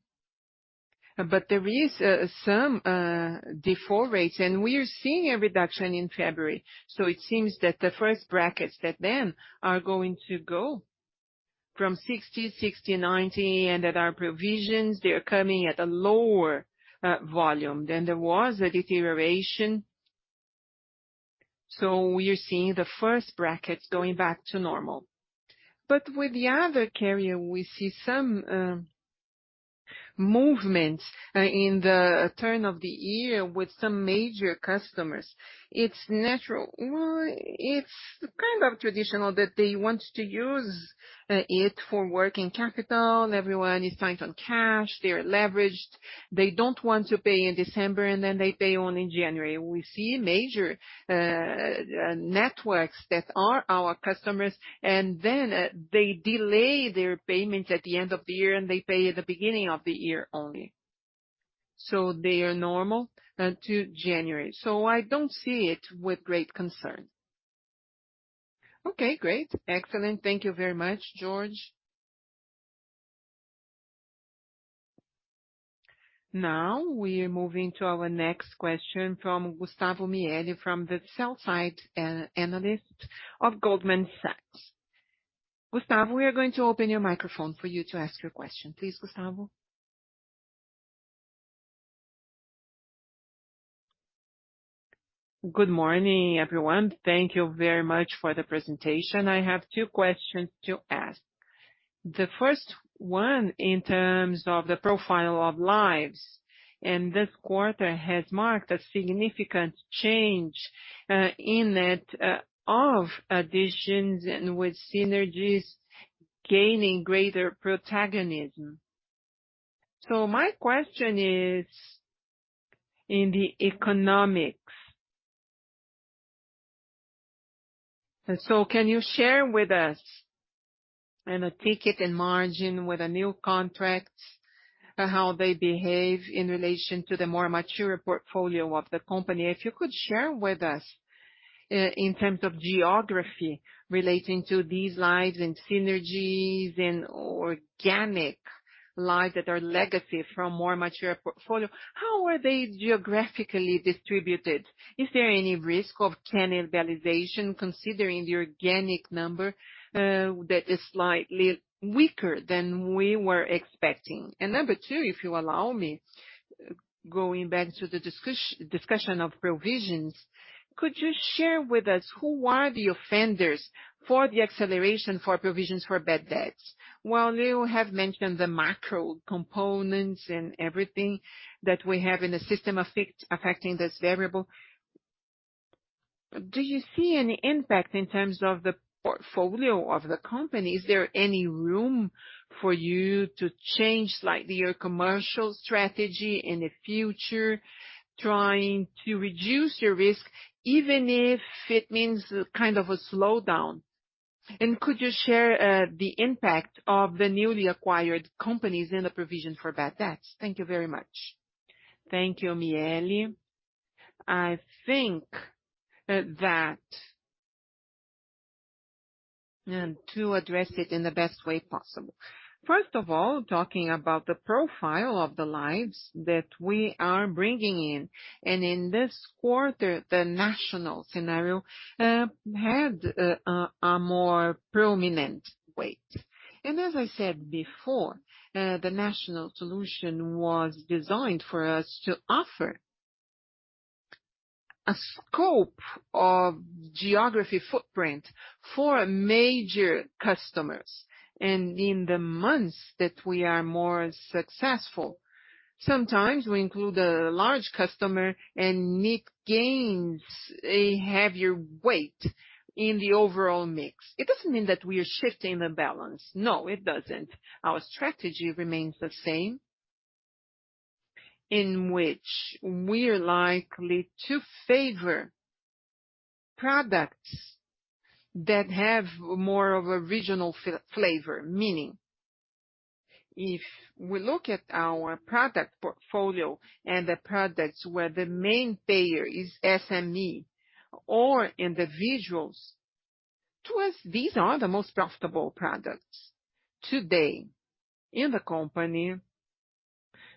There is some default rates, and we are seeing a reduction in February. It seems that the first brackets that then are going to go from 60, 90, and that are provisions, they're coming at a lower volume. There was a deterioration. We are seeing the first brackets going back to normal. With the other carrier, we see some movements in the turn of the year with some major customers. It's natural. Well, it's kind of traditional that they want to use it for working capital. Everyone is tight on cash. They're leveraged. They don't want to pay in December, and then they pay only in January. We see major networks that are our customers, and then they delay their payments at the end of the year, and they pay at the beginning of the year only. They are normal to January, so I don't see it with great concern. Okay, great. Excellent. Thank you very much, Jorge. We're moving to our next question from Gustavo Miele from the sell-side analyst of Goldman Sachs. Gustavo, we are going to open your microphone for you to ask your question. Please, Gustavo. Good morning, everyone. Thank you very much for the presentation. I have two questions to ask. The first one, in terms of the profile of lives, this quarter has marked a significant change in that of additions, with synergies gaining greater protagonism. My question is in the economics. Can you share with us in a ticket and margin with the new contracts, how they behave in relation to the more mature portfolio of the company? If you could share with us in terms of geography relating to these lives and synergies and organic lives that are legacy from more mature portfolio, how are they geographically distributed? Is there any risk of cannibalization considering the organic number that is slightly weaker than we were expecting? Number two, if you allow me, going back to the discussion of provisions, could you share with us who are the offenders for the acceleration for provisions for bad debts? While you have mentioned the macro components and everything that we have in the system affecting this variable, do you see any impact in terms of the portfolio of the company? Is there any room for you to change slightly your commercial strategy in the future, trying to reduce your risk even if it means kind of a slowdown? Could you share the impact of the newly acquired companies in the provision for bad debts? Thank you very much. Thank you, Miele. I think to address it in the best way possible. First of all, talking about the profile of the lives that we are bringing in. In this quarter, the national scenario had a more prominent weight. As I said before, the national solution was designed for us to offer a scope of geography footprint for major customers. In the months that we are more successful, sometimes we include a large customer and it gains a heavier weight in the overall mix. It doesn't mean that we are shifting the balance. No, it doesn't. Our strategy remains the same. In which we are likely to favor products that have more of a regional flavor. Meaning, if we look at our product portfolio and the products where the main payer is SME or individuals, to us, these are the most profitable products. Today, in the company,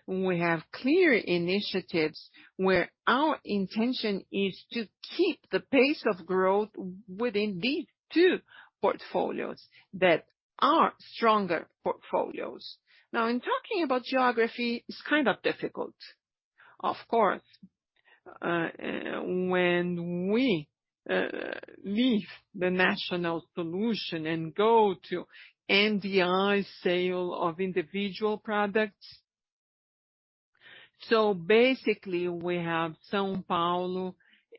we have clear initiatives where our intention is to keep the pace of growth within these two portfolios that are stronger portfolios. In talking about geography, it's kind of difficult. Of course, when we leave the national solution and go to NDI sale of individual products. Basically, we have São Paulo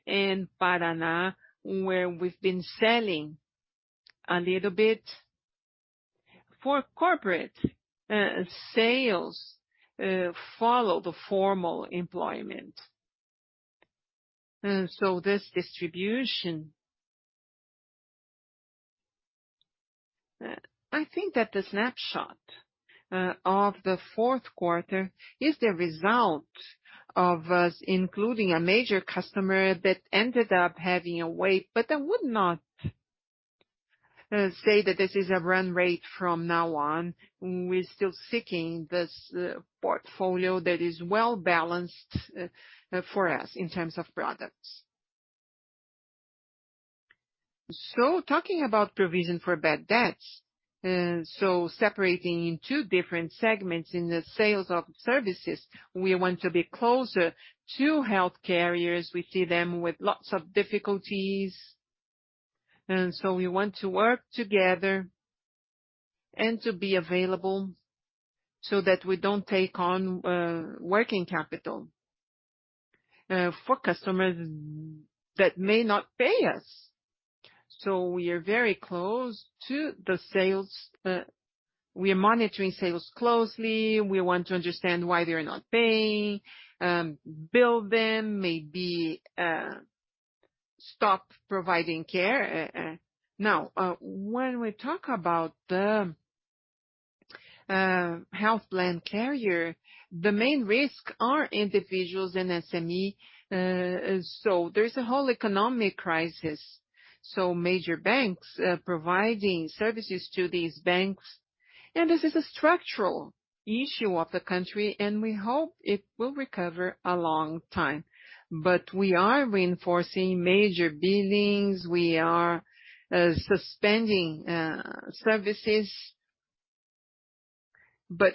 and Paraná, where we've been selling a little bit. For corporate sales, follow the formal employment. This distribution. I think that the snapshot of the fourth quarter is the result of us including a major customer that ended up having a wait, but I would not say that this is a run rate from now on. We're still seeking this portfolio that is well-balanced for us in terms of products. Talking about provision for bad debts, separating in two different segments. In the sales of services, we want to be closer to health carriers. We see them with lots of difficulties, we want to work together and to be available so that we don't take on working capital for customers that may not pay us. We are very close to the sales. We are monitoring sales closely. We want to understand why they're not paying, bill them, maybe, stop providing care. Now, when we talk about the health plan carrier, the main risk are individuals and SME. There's a whole economic crisis, so major banks providing services to these banks. This is a structural issue of the country, and we hope it will recover a long time. We are reinforcing major billings. We are suspending services.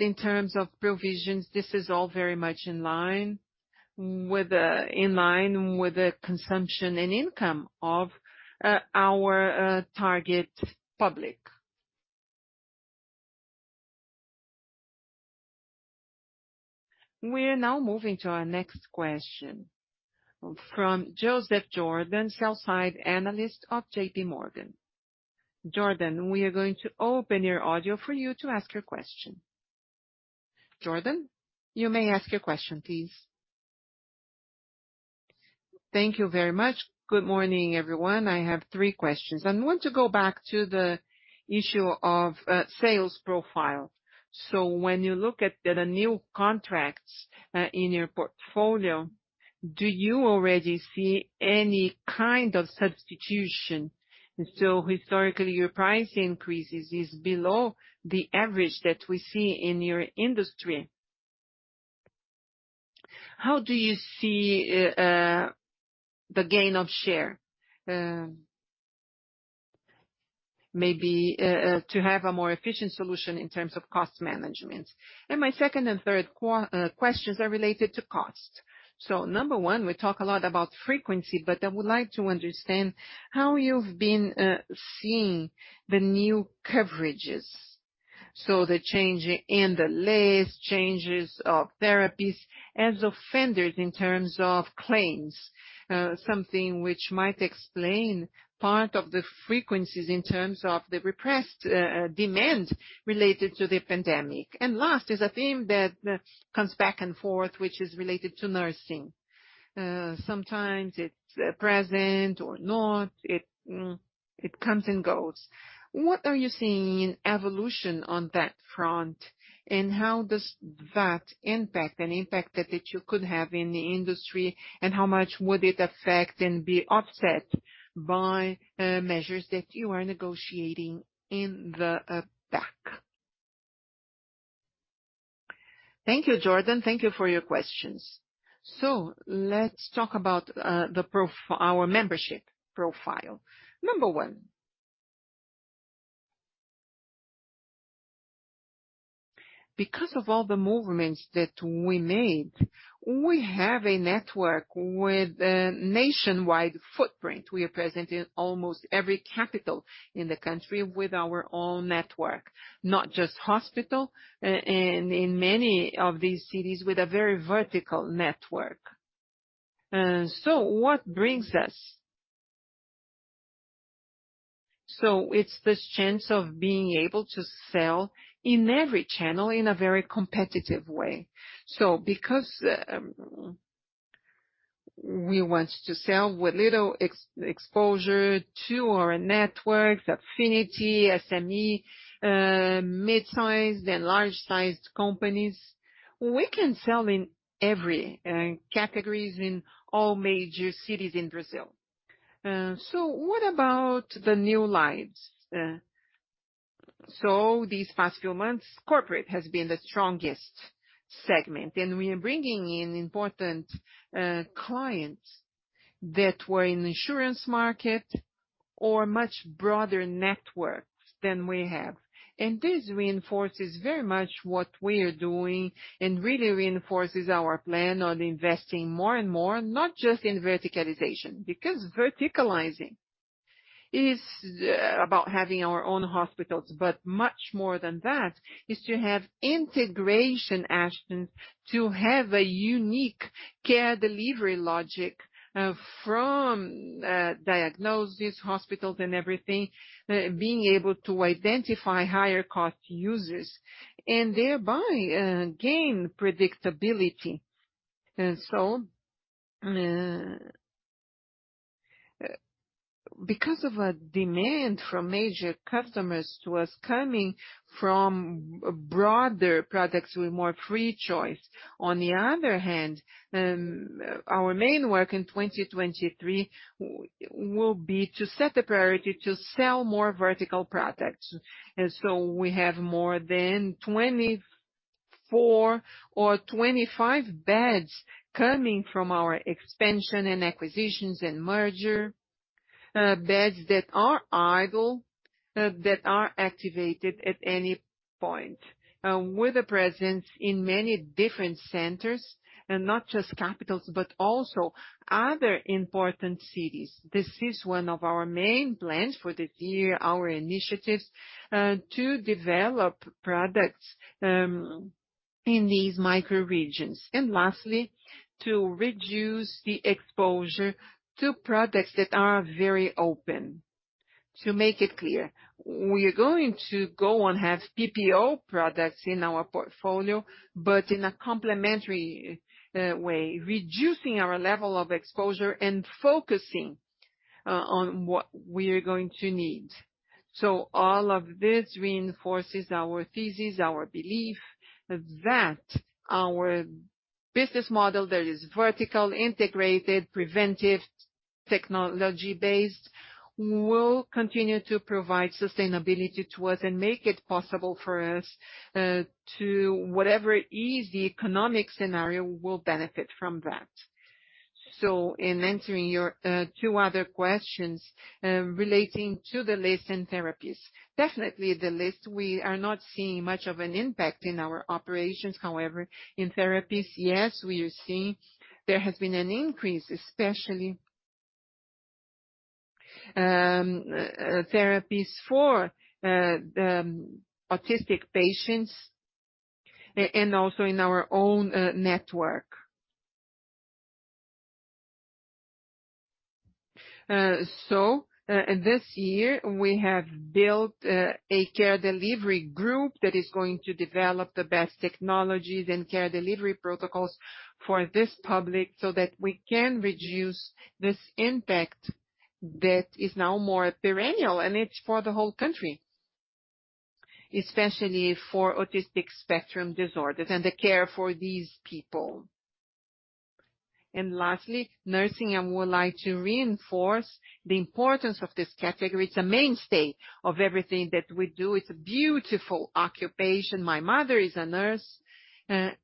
In terms of provisions, this is all very much in line with the consumption and income of our target public. We are now moving to our next question from Joseph Giordano, sell-side analyst of JP Morgan. Jordan, we are going to open your audio for you to ask your question. Jordan, you may ask your question, please. Thank you very much. Good morning, everyone. I have three questions. I want to go back to the issue of sales profile. When you look at the new contracts in your portfolio, do you already see any kind of substitution? Historically, your price increases is below the average that we see in your industry. How do you see the gain of share? Maybe to have a more efficient solution in terms of cost management. My second and third questions are related to cost. Number one, we talk a lot about frequency, but I would like to understand how you've been seeing the new coverages. The change in the list, changes of therapies as offenders in terms of claims, something which might explain part of the frequencies in terms of the repressed demand related to the pandemic. Last is a theme that comes back and forth, which is related to nursing. Sometimes it's present or not. It comes and goes. What are you seeing in evolution on that front, and how does that impact, an impact that you could have in the industry, and how much would it affect and be offset by measures that you are negotiating in the back? Thank you, Jordan. Thank you for your questions. Let's talk about our membership profile. Number one. Because of all the movements that we made, we have a network with a nationwide footprint. We are present in almost every capital in the country with our own network, not just hospital and in many of these cities with a very vertical network. What brings us? It's this chance of being able to sell in every channel in a very competitive way. Because, we want to sell with little exposure to our networks, affinity, SME, mid-sized and large-sized companies, we can sell in every categories in all major cities in Brazil. What about the new lives? These past few months, corporate has been the strongest segment, and we are bringing in important clients that were in insurance market or much broader networks than we have. This reinforces very much what we are doing and really reinforces our plan on investing more and more, not just in verticalization. Verticalizing is about having our own hospitals, but much more than that is to have integration actions, to have a unique care delivery logic, from diagnosis, hospitals and everything, being able to identify higher cost users and thereby, gain predictability. Because of a demand from major customers to us coming from broader products with more free choice, on the other hand, our main work in 2023 will be to set a priority to sell more vertical products. We have more than 24 or 25 beds coming from our expansion and acquisitions and merger. Beds that are idle, that are activated at any point, with a presence in many different centers and not just capitals, but also other important cities. This is one of our main plans for the year, our initiatives, to develop products, in these micro regions. Lastly, to reduce the exposure to products that are very open. To make it clear, we are going to go and have PPO products in our portfolio, but in a complementary way, reducing our level of exposure and focusing on what we are going to need. All of this reinforces our thesis, our belief that our business model that is vertical, integrated, preventive, technology-based, will continue to provide sustainability to us and make it possible for us to whatever is the economic scenario will benefit from that. In answering your two other questions, relating to the list and therapies. Definitely the list, we are not seeing much of an impact in our operations. In therapies, yes, we are seeing there has been an increase, especially therapies for autistic patients and also in our own network. This year we have built a care delivery group that is going to develop the best technologies and care delivery protocols for this public so that we can reduce this impact that is now more perennial, and it's for the whole country, especially for autistic spectrum disorders and the care for these people. Lastly, nursing. I would like to reinforce the importance of this category. It's a mainstay of everything that we do. It's a beautiful occupation. My mother is a nurse, and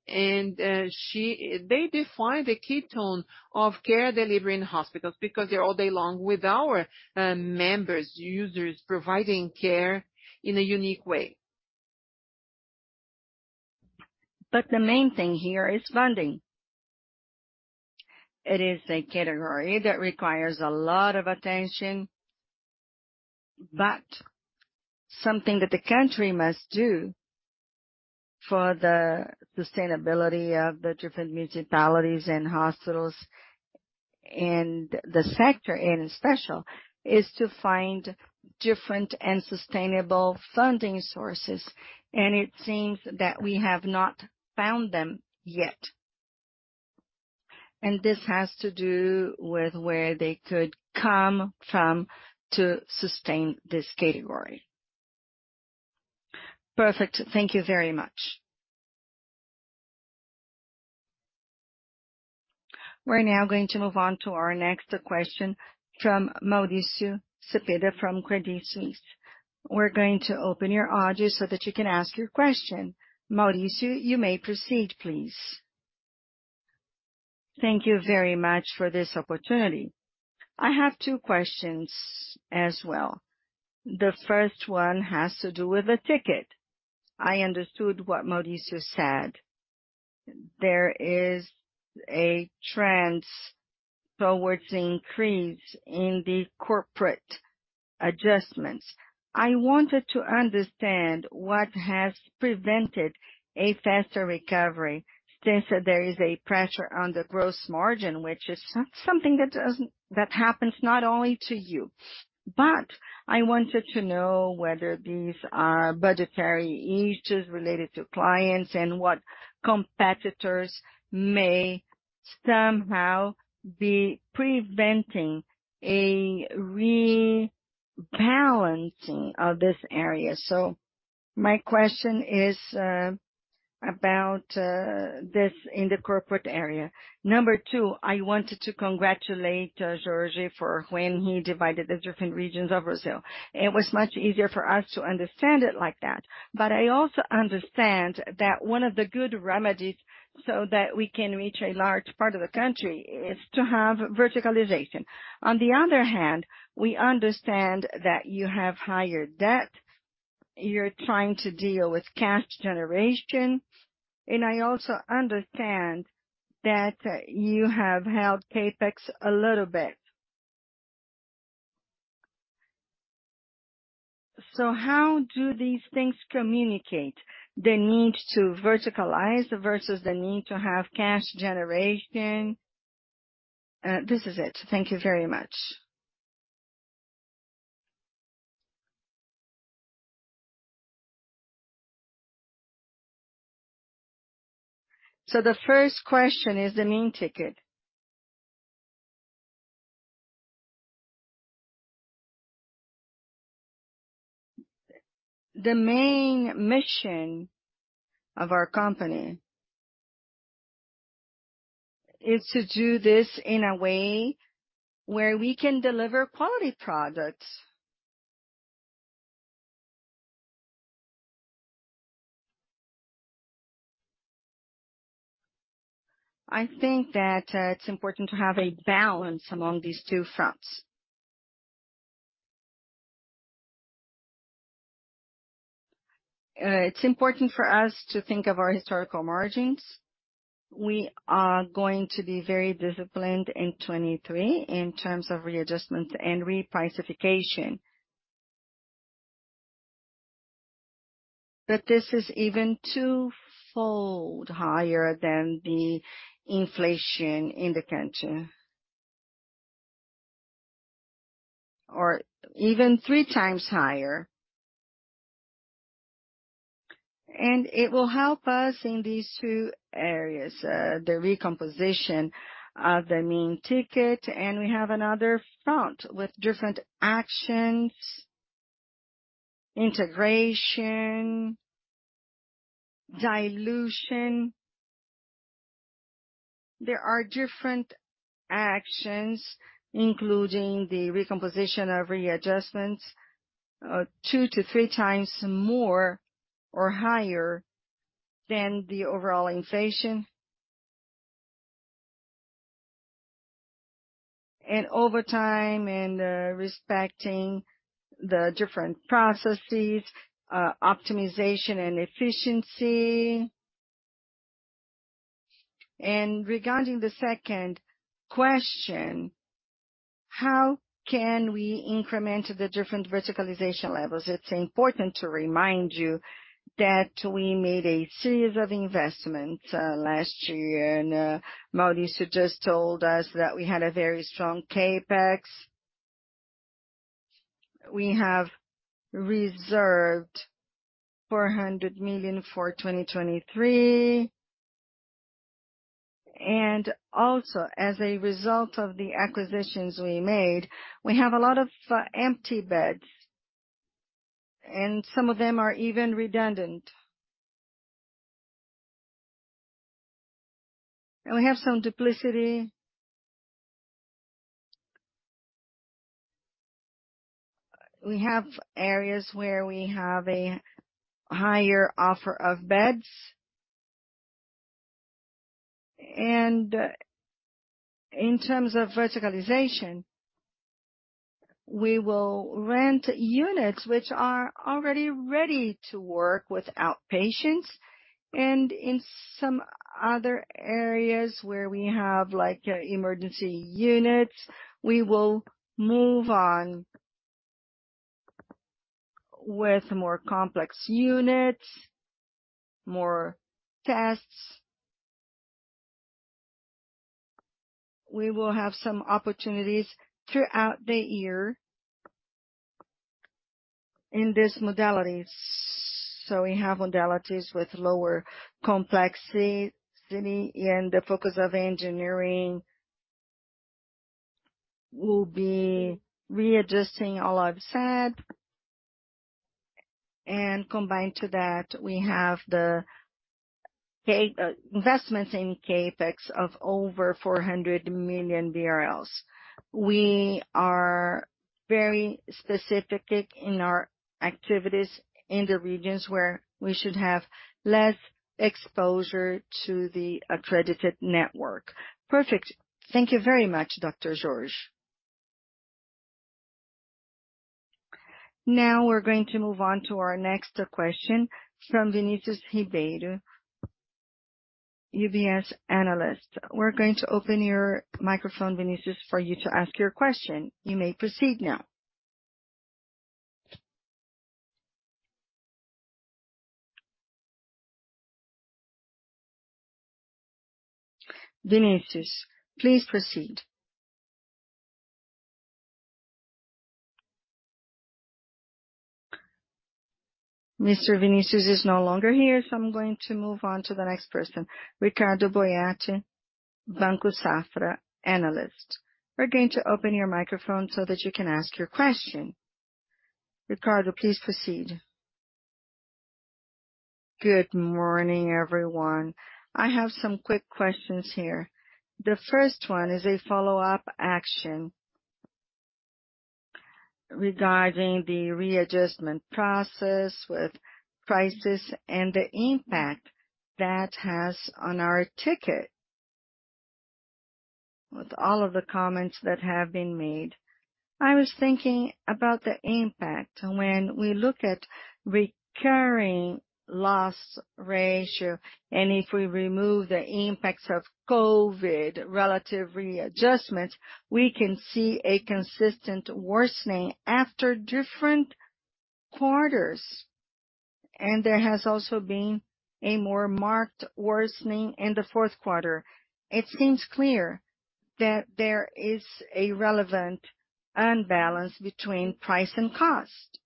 they define the ketone of care delivery in hospitals because they're all day long with our members, users providing care in a unique way. The main thing here is funding. It is a category that requires a lot of attention, but something that the country must do for the sustainability of the different municipalities and hospitals and the sector in special, is to find different and sustainable funding sources. It seems that we have not found them yet. This has to do with where they could come from to sustain this category. Perfect. Thank you very much. We're now going to move on to our next question from Mauricio Cepeda from Credit Suisse. We're going to open your audio so that you can ask your question. Mauricio, you may proceed, please. Thank you very much for this opportunity. I have two questions as well. The first one has to do with the ticket. I understood what Maurício said. There is a trend towards increase in the corporate adjustments. I wanted to understand what has prevented a faster recovery since there is a pressure on the gross margin, which is something that happens not only to you. I wanted to know whether these are budgetary issues related to clients and what competitors may somehow be preventing a rebalancing of this area. My question is about this in the corporate area. Number two, I wanted to congratulate Jorge for when he divided the different regions of Brazil. It was much easier for us to understand it like that. I also understand that one of the good remedies so that we can reach a large part of the country is to have verticalization. On the other hand, we understand that you have higher debt, you're trying to deal with cash generation, and I also understand that you have held CapEx a little bit. How do these things communicate the need to verticalize versus the need to have cash generation? This is it. Thank you very much. The first question is the mean ticket. The main mission of our company is to do this in a way where we can deliver quality products. I think that it's important to have a balance among these two fronts. It's important for us to think of our historical margins. We are going to be very disciplined in 23 in terms of readjustments and re-pricification. This is even twofold higher than the inflation in the country. Even three times higher. It will help us in these two areas, the re-composition of the mean ticket. We have another front with different actions, integration, dilution. There are different actions, including the re-composition of readjustments, two to three times more or higher than the overall inflation. Over time and, respecting the different processes, optimization and efficiency. Regarding the second question, how can we increment the different verticalization levels? It's important to remind you that we made a series of investments, last year. Maurício just told us that we had a very strong CapEx. We have reserved 400 million for 2023. Also, as a result of the acquisitions we made, we have a lot of empty beds, and some of them are even redundant. We have some duplicity. We have areas where we have a higher offer of beds. In terms of verticalization, we will rent units which are already ready to work with outpatients. In some other areas where we have, like, emergency units, we will move on with more complex units, more tests. We will have some opportunities throughout the year in these modalities. We have modalities with lower complexity and the focus of engineering. We'll be readjusting all I've said. Combined to that, we have the investments in CapEx of over 400 million BRL. We are very specific in our activities in the regions where we should have less exposure to the accredited network. Perfect. Thank you very much, Dr. Jorge. Now we're going to move on to our next question from Vinicius Ribeiro, UBS analyst. We're going to open your microphone, Vinicius, for you to ask your question. You may proceed now. Vinicius, please proceed. Mr. Vinicius is no longer here, so I'm going to move on to the next person. Ricardo Boiati, Banco Safra analyst. We're going to open your microphone so that you can ask your question. Ricardo, please proceed. Good morning, everyone. I have some quick questions here. The first one is a follow-up action regarding the readjustment process with prices and the impact that has on our ticket. With all of the comments that have been made, I was thinking about the impact when we look at recurring loss ratio, and if we remove the impacts of COVID relative readjustment, we can see a consistent worsening after different quarters. There has also been a more marked worsening in the fourth quarter. It seems clear that there is a relevant unbalance between price and cost.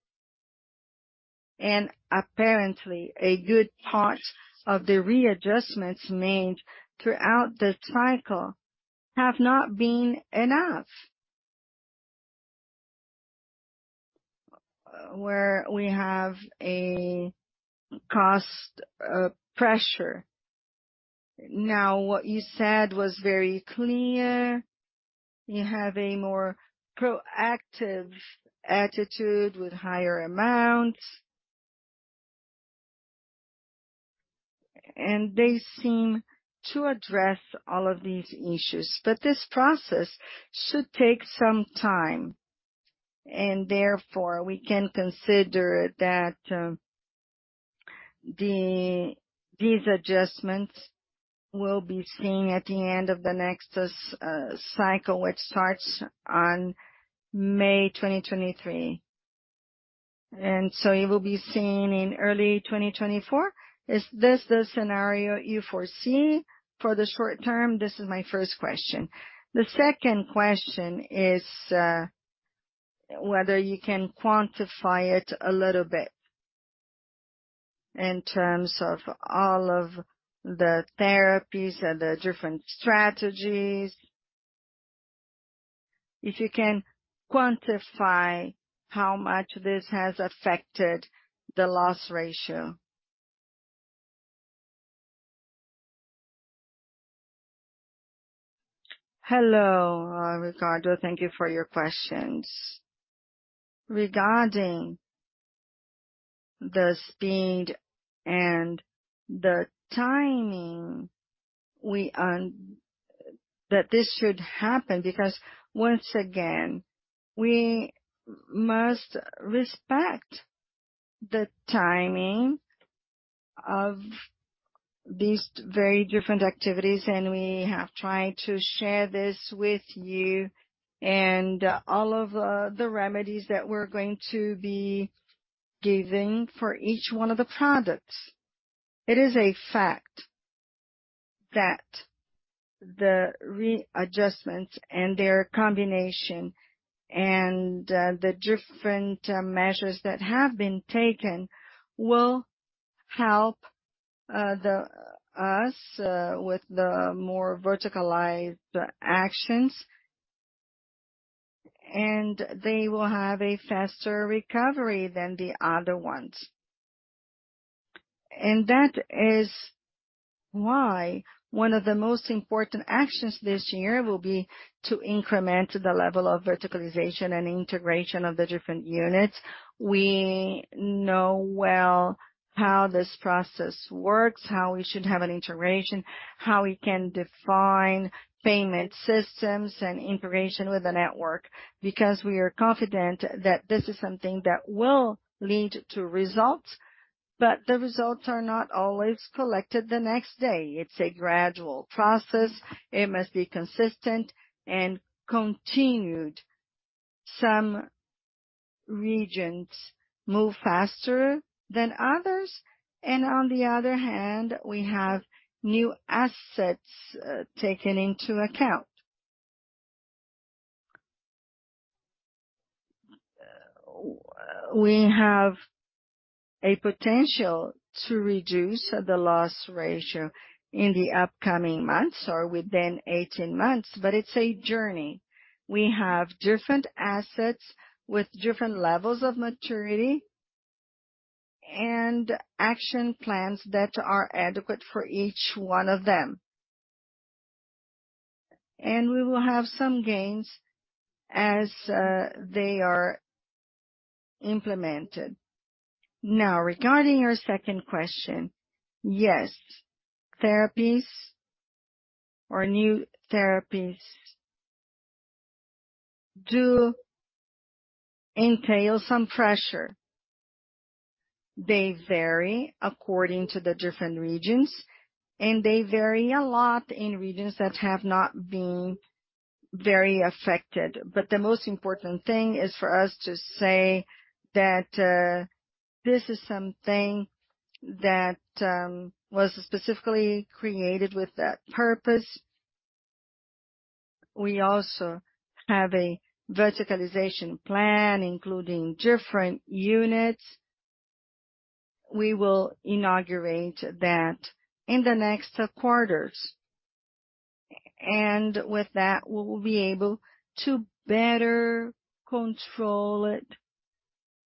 Apparently, a good part of the readjustments made throughout the cycle have not been enough. Where we have a cost pressure. What you said was very clear. You have a more proactive attitude with higher amounts. They seem to address all of these issues. This process should take some time, and therefore, we can consider that these adjustments will be seen at the end of the next cycle, which starts on May 2023. It will be seen in early 2024. Is this the scenario you foresee for the short term? This is my first question. The second question is, whether you can quantify it a little bit in terms of all of the therapies and the different strategies. If you can quantify how much this has affected the loss ratio? Hello, Ricardo. Thank you for your questions. Regarding the speed and the timing That this should happen, because once again, we must respect the timing of these very different activities, and we have tried to share this with you and all of, the remedies that we're going to be giving for each one of the products. It is a fact that the readjustments and their combination, the different measures that have been taken will help us with the more verticalized actions. They will have a faster recovery than the other ones. That is why one of the most important actions this year will be to increment the level of verticalization and integration of the different units. We know well how this process works, how we should have an integration, how we can define payment systems and integration with the network, because we are confident that this is something that will lead to results, but the results are not always collected the next day. It's a gradual process. It must be consistent and continued. Some regions move faster than others, and on the other hand, we have new assets taken into account. We have a potential to reduce the loss ratio in the upcoming months or within 18 months. It's a journey. We have different assets with different levels of maturity and action plans that are adequate for each one of them. We will have some gains as they are implemented. Regarding your second question. Yes, therapies or new therapies do entail some pressure. They vary according to the different regions, and they vary a lot in regions that have not been very affected. The most important thing is for us to say that this is something that was specifically created with that purpose. We also have a verticalization plan, including different units. We will inaugurate that in the next quarters. With that, we will be able to better control it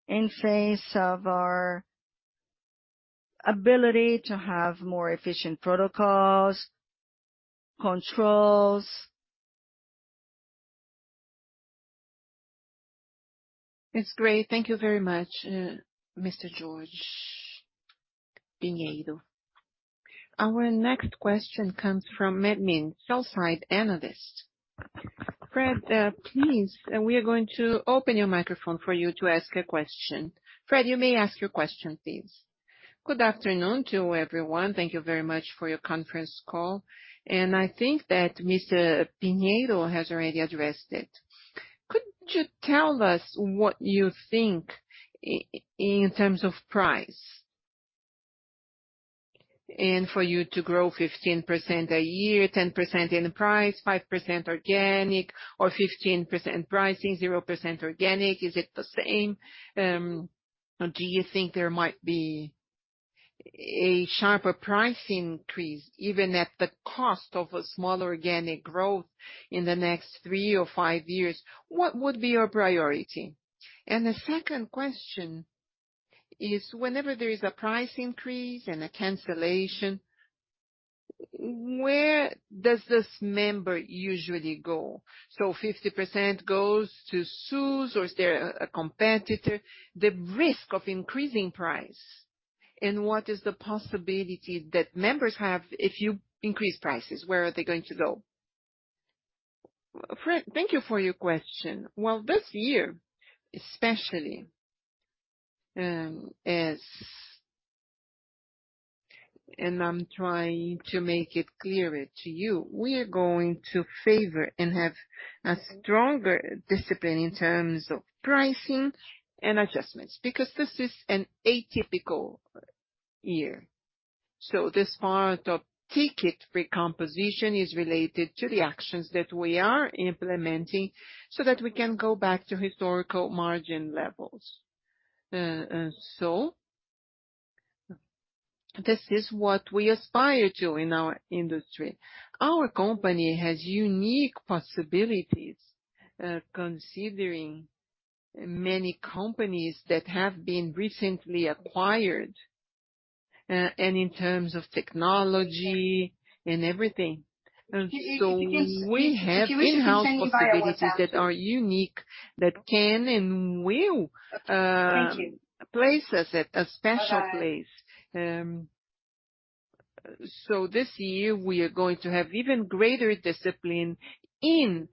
in face of our ability to have more efficient protocols, controls. It's great. Thank you very much, Mr. Jorge Pinheiro. Our next question comes from Medmin, Sell-side Analyst. Fred, please, we are going to open your microphone for you to ask a question. Fred, you may ask your question, please. Good afternoon to everyone. Thank you very much for your conference call. I think that Mr. Pinheiro has already addressed it. Could you tell us what you think in terms of price? For you to grow 15% a year, 10% in price, 5% organic, or 15% pricing, 0% organic, is it the same? Do you think there might be a sharper price increase, even at the cost of a small organic growth in the next three or five years? What would be your priority? The second question is, whenever there is a price increase and a cancellation, where does this member usually go? Fifty percent goes to SUS, or is there a competitor? The risk of increasing price and what is the possibility that members have if you increase prices, where are they going to go? Fred, thank you for your question. Well, this year, especially, as I'm trying to make it clearer to you. We are going to favor and have a stronger discipline in terms of pricing and adjustments, because this is an atypical year. This part of ticket re-composition is related to the actions that we are implementing so that we can go back to historical margin levels. This is what we aspire to in our industry. Our company has unique possibilities, considering many companies that have been recently acquired, and in terms of technology and everything. We have in-house capabilities that are unique that can and will place us at a special place. This year, we are going to have even greater discipline in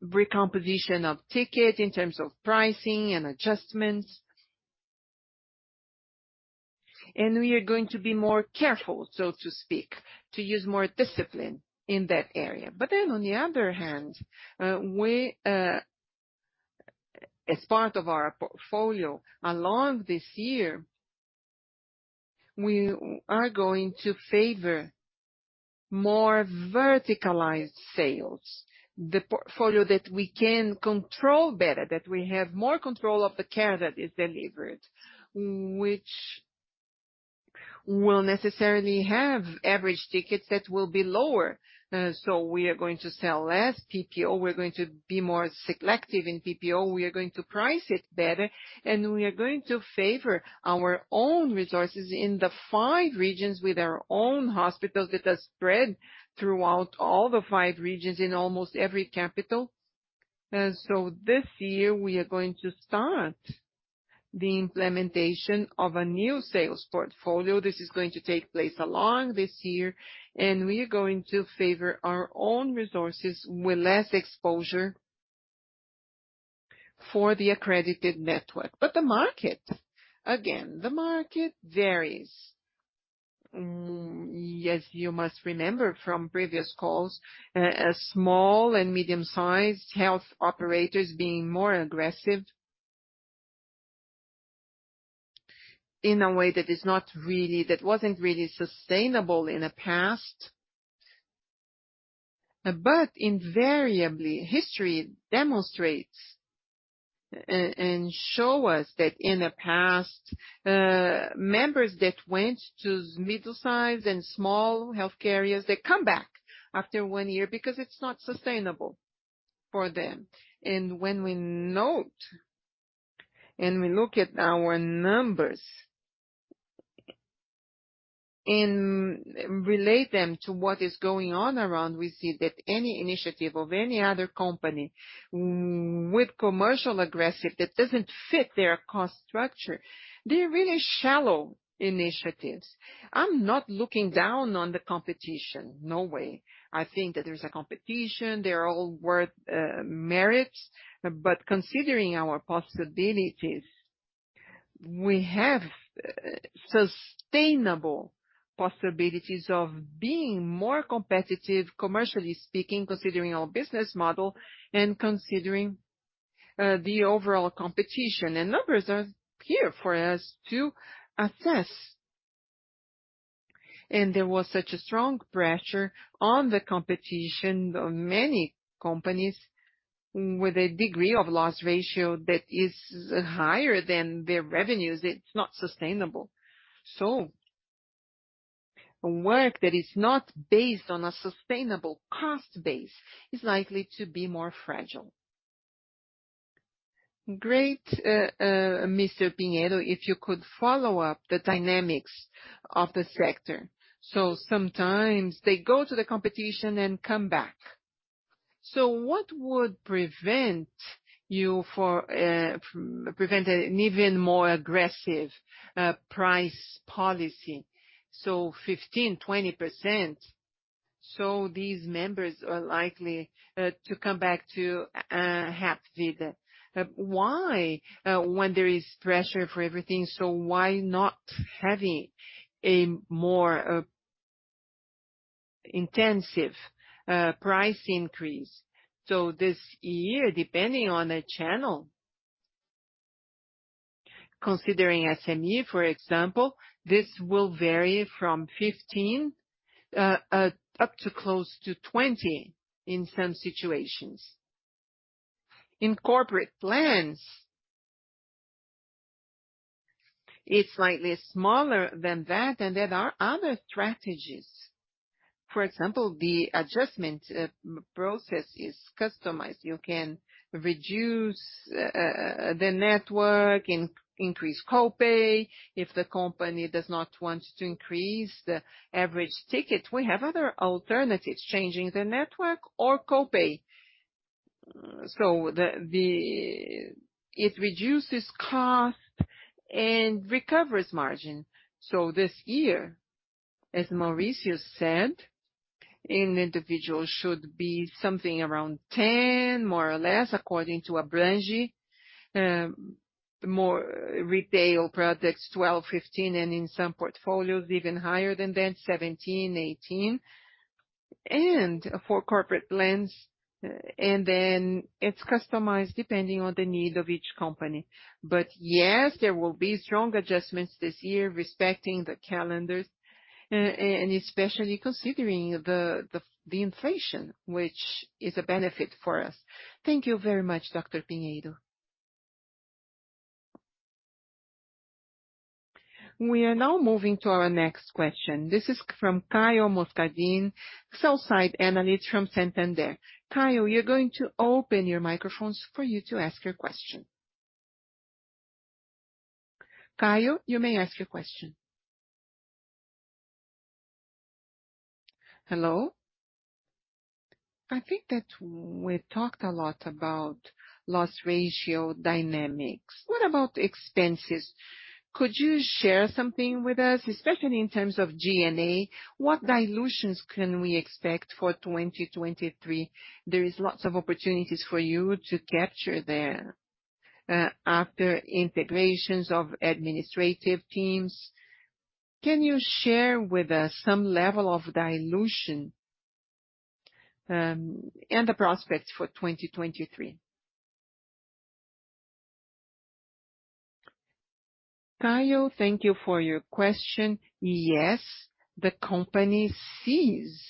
re-composition of ticket in terms of pricing and adjustments. We are going to be more careful, so to speak, to use more discipline in that area. On the other hand, we, as part of our portfolio, along this year, we are going to favor more verticalized sales. The portfolio that we can control better, that we have more control of the care that is delivered, which will necessarily have average tickets that will be lower. We are going to sell less PPO. We're going to be more selective in PPO. We are going to price it better, and we are going to favor our own resources in the 5 regions with our own hospitals that are spread throughout all the 5 regions in almost every capital. This year, we are going to start the implementation of a new sales portfolio. This is going to take place along this year, and we are going to favor our own resources with less exposure for the accredited network. The market, again, the market varies. As you must remember from previous calls, small and medium-sized health operators being more aggressive that wasn't really sustainable in the past. Invariably, history demonstrates and show us that in the past, members that went to middle size and small health care areas, they come back after one year because it's not sustainable for them. When we note and we look at our numbers and relate them to what is going on around, we see that any initiative of any other company with commercial aggressive that doesn't fit their cost structure, they're really shallow initiatives. I'm not looking down on the competition, no way. I think that there's a competition. They're all worth merits. Considering our possibilities, we have sustainable possibilities of being more competitive, commercially speaking, considering our business model and considering the overall competition. Numbers are here for us to assess. There was such a strong pressure on the competition of many companies with a degree of loss ratio that is higher than their revenues. It's not sustainable. Work that is not based on a sustainable cost base is likely to be more fragile. Great, Mr. Pinheiro, if you could follow up the dynamics of the sector. Sometimes they go to the competition and come back. What would prevent you for, prevent an even more aggressive price policy, so 15%, 20%, so these members are likely to come back to Hapvida? Why, when there is pressure for everything, so why not having a more intensive price increase? This year, depending on the channel. Considering SME, for example, this will vary from 15% up to close to 20% in some situations. In corporate plans, it's slightly smaller than that. There are other strategies. For example, the adjustment process is customized. You can reduce the network, increase copay. If the company does not want to increase the average ticket, we have other alternatives, changing the network or copay. It reduces cost and recovers margin. This year, as Maurício said, an individual should be something around 10%, more or less, according to Abrinq. More retail products, 12%, 15%, and in some portfolios, even higher than that, 17%, 18%. For corporate plans, and then it's customized depending on the need of each company. Yes, there will be strong adjustments this year respecting the calendars, and especially considering the inflation, which is a benefit for us. Thank you very much, Dr. Pinheiro. We are now moving to our next question. This is from Caio Moscardini, sell-side analyst from Santander. Caio, we're going to open your microphones for you to ask your question. Caio, you may ask your question. Hello. I think that we talked a lot about loss ratio dynamics. What about expenses? Could you share something with us, especially in terms of G&A? What dilutions can we expect for 2023? There is lots of opportunities for you to capture there after integrations of administrative teams. Can you share with us some level of dilution and the prospects for 2023? Caio, thank you for your question. Yes, the company sees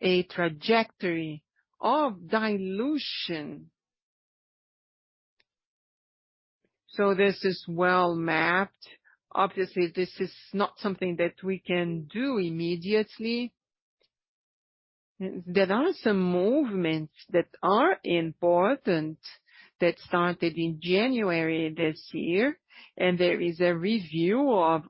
a trajectory of dilution. This is well-mapped. Obviously, this is not something that we can do immediately. There are some movements that are important that started in January this year, and there is a review of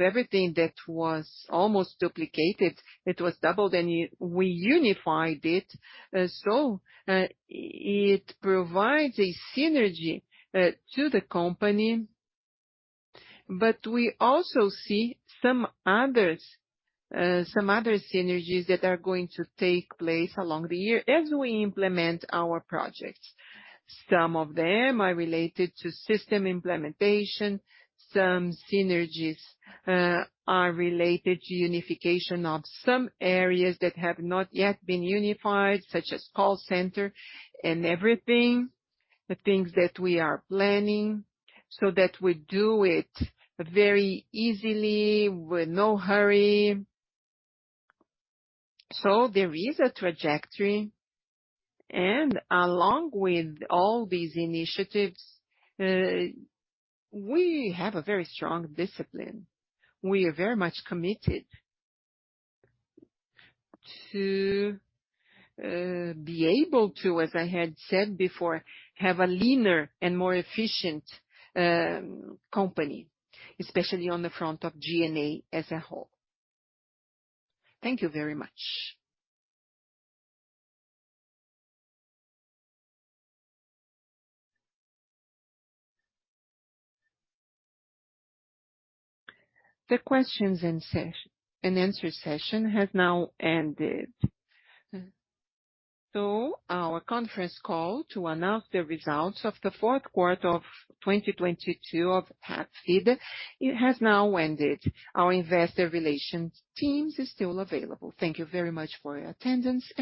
everything that was almost duplicated. It was doubled, we unified it. It provides a synergy to the company. We also see some others, some other synergies that are going to take place along the year as we implement our projects. Some of them are related to system implementation. Some synergies are related to unification of some areas that have not yet been unified, such as call center and everything, the things that we are planning, so that we do it very easily with no hurry. There is a trajectory. Along with all these initiatives, we have a very strong discipline. We are very much committed to be able to, as I had said before, have a leaner and more efficient company, especially on the front of G&A as a whole. Thank you very much. The questions and answer session has now ended. Our conference call to announce the results of the fourth quarter of 2022 of Hapvida, it has now ended. Our investor relations teams is still available. Thank you very much for your attendance.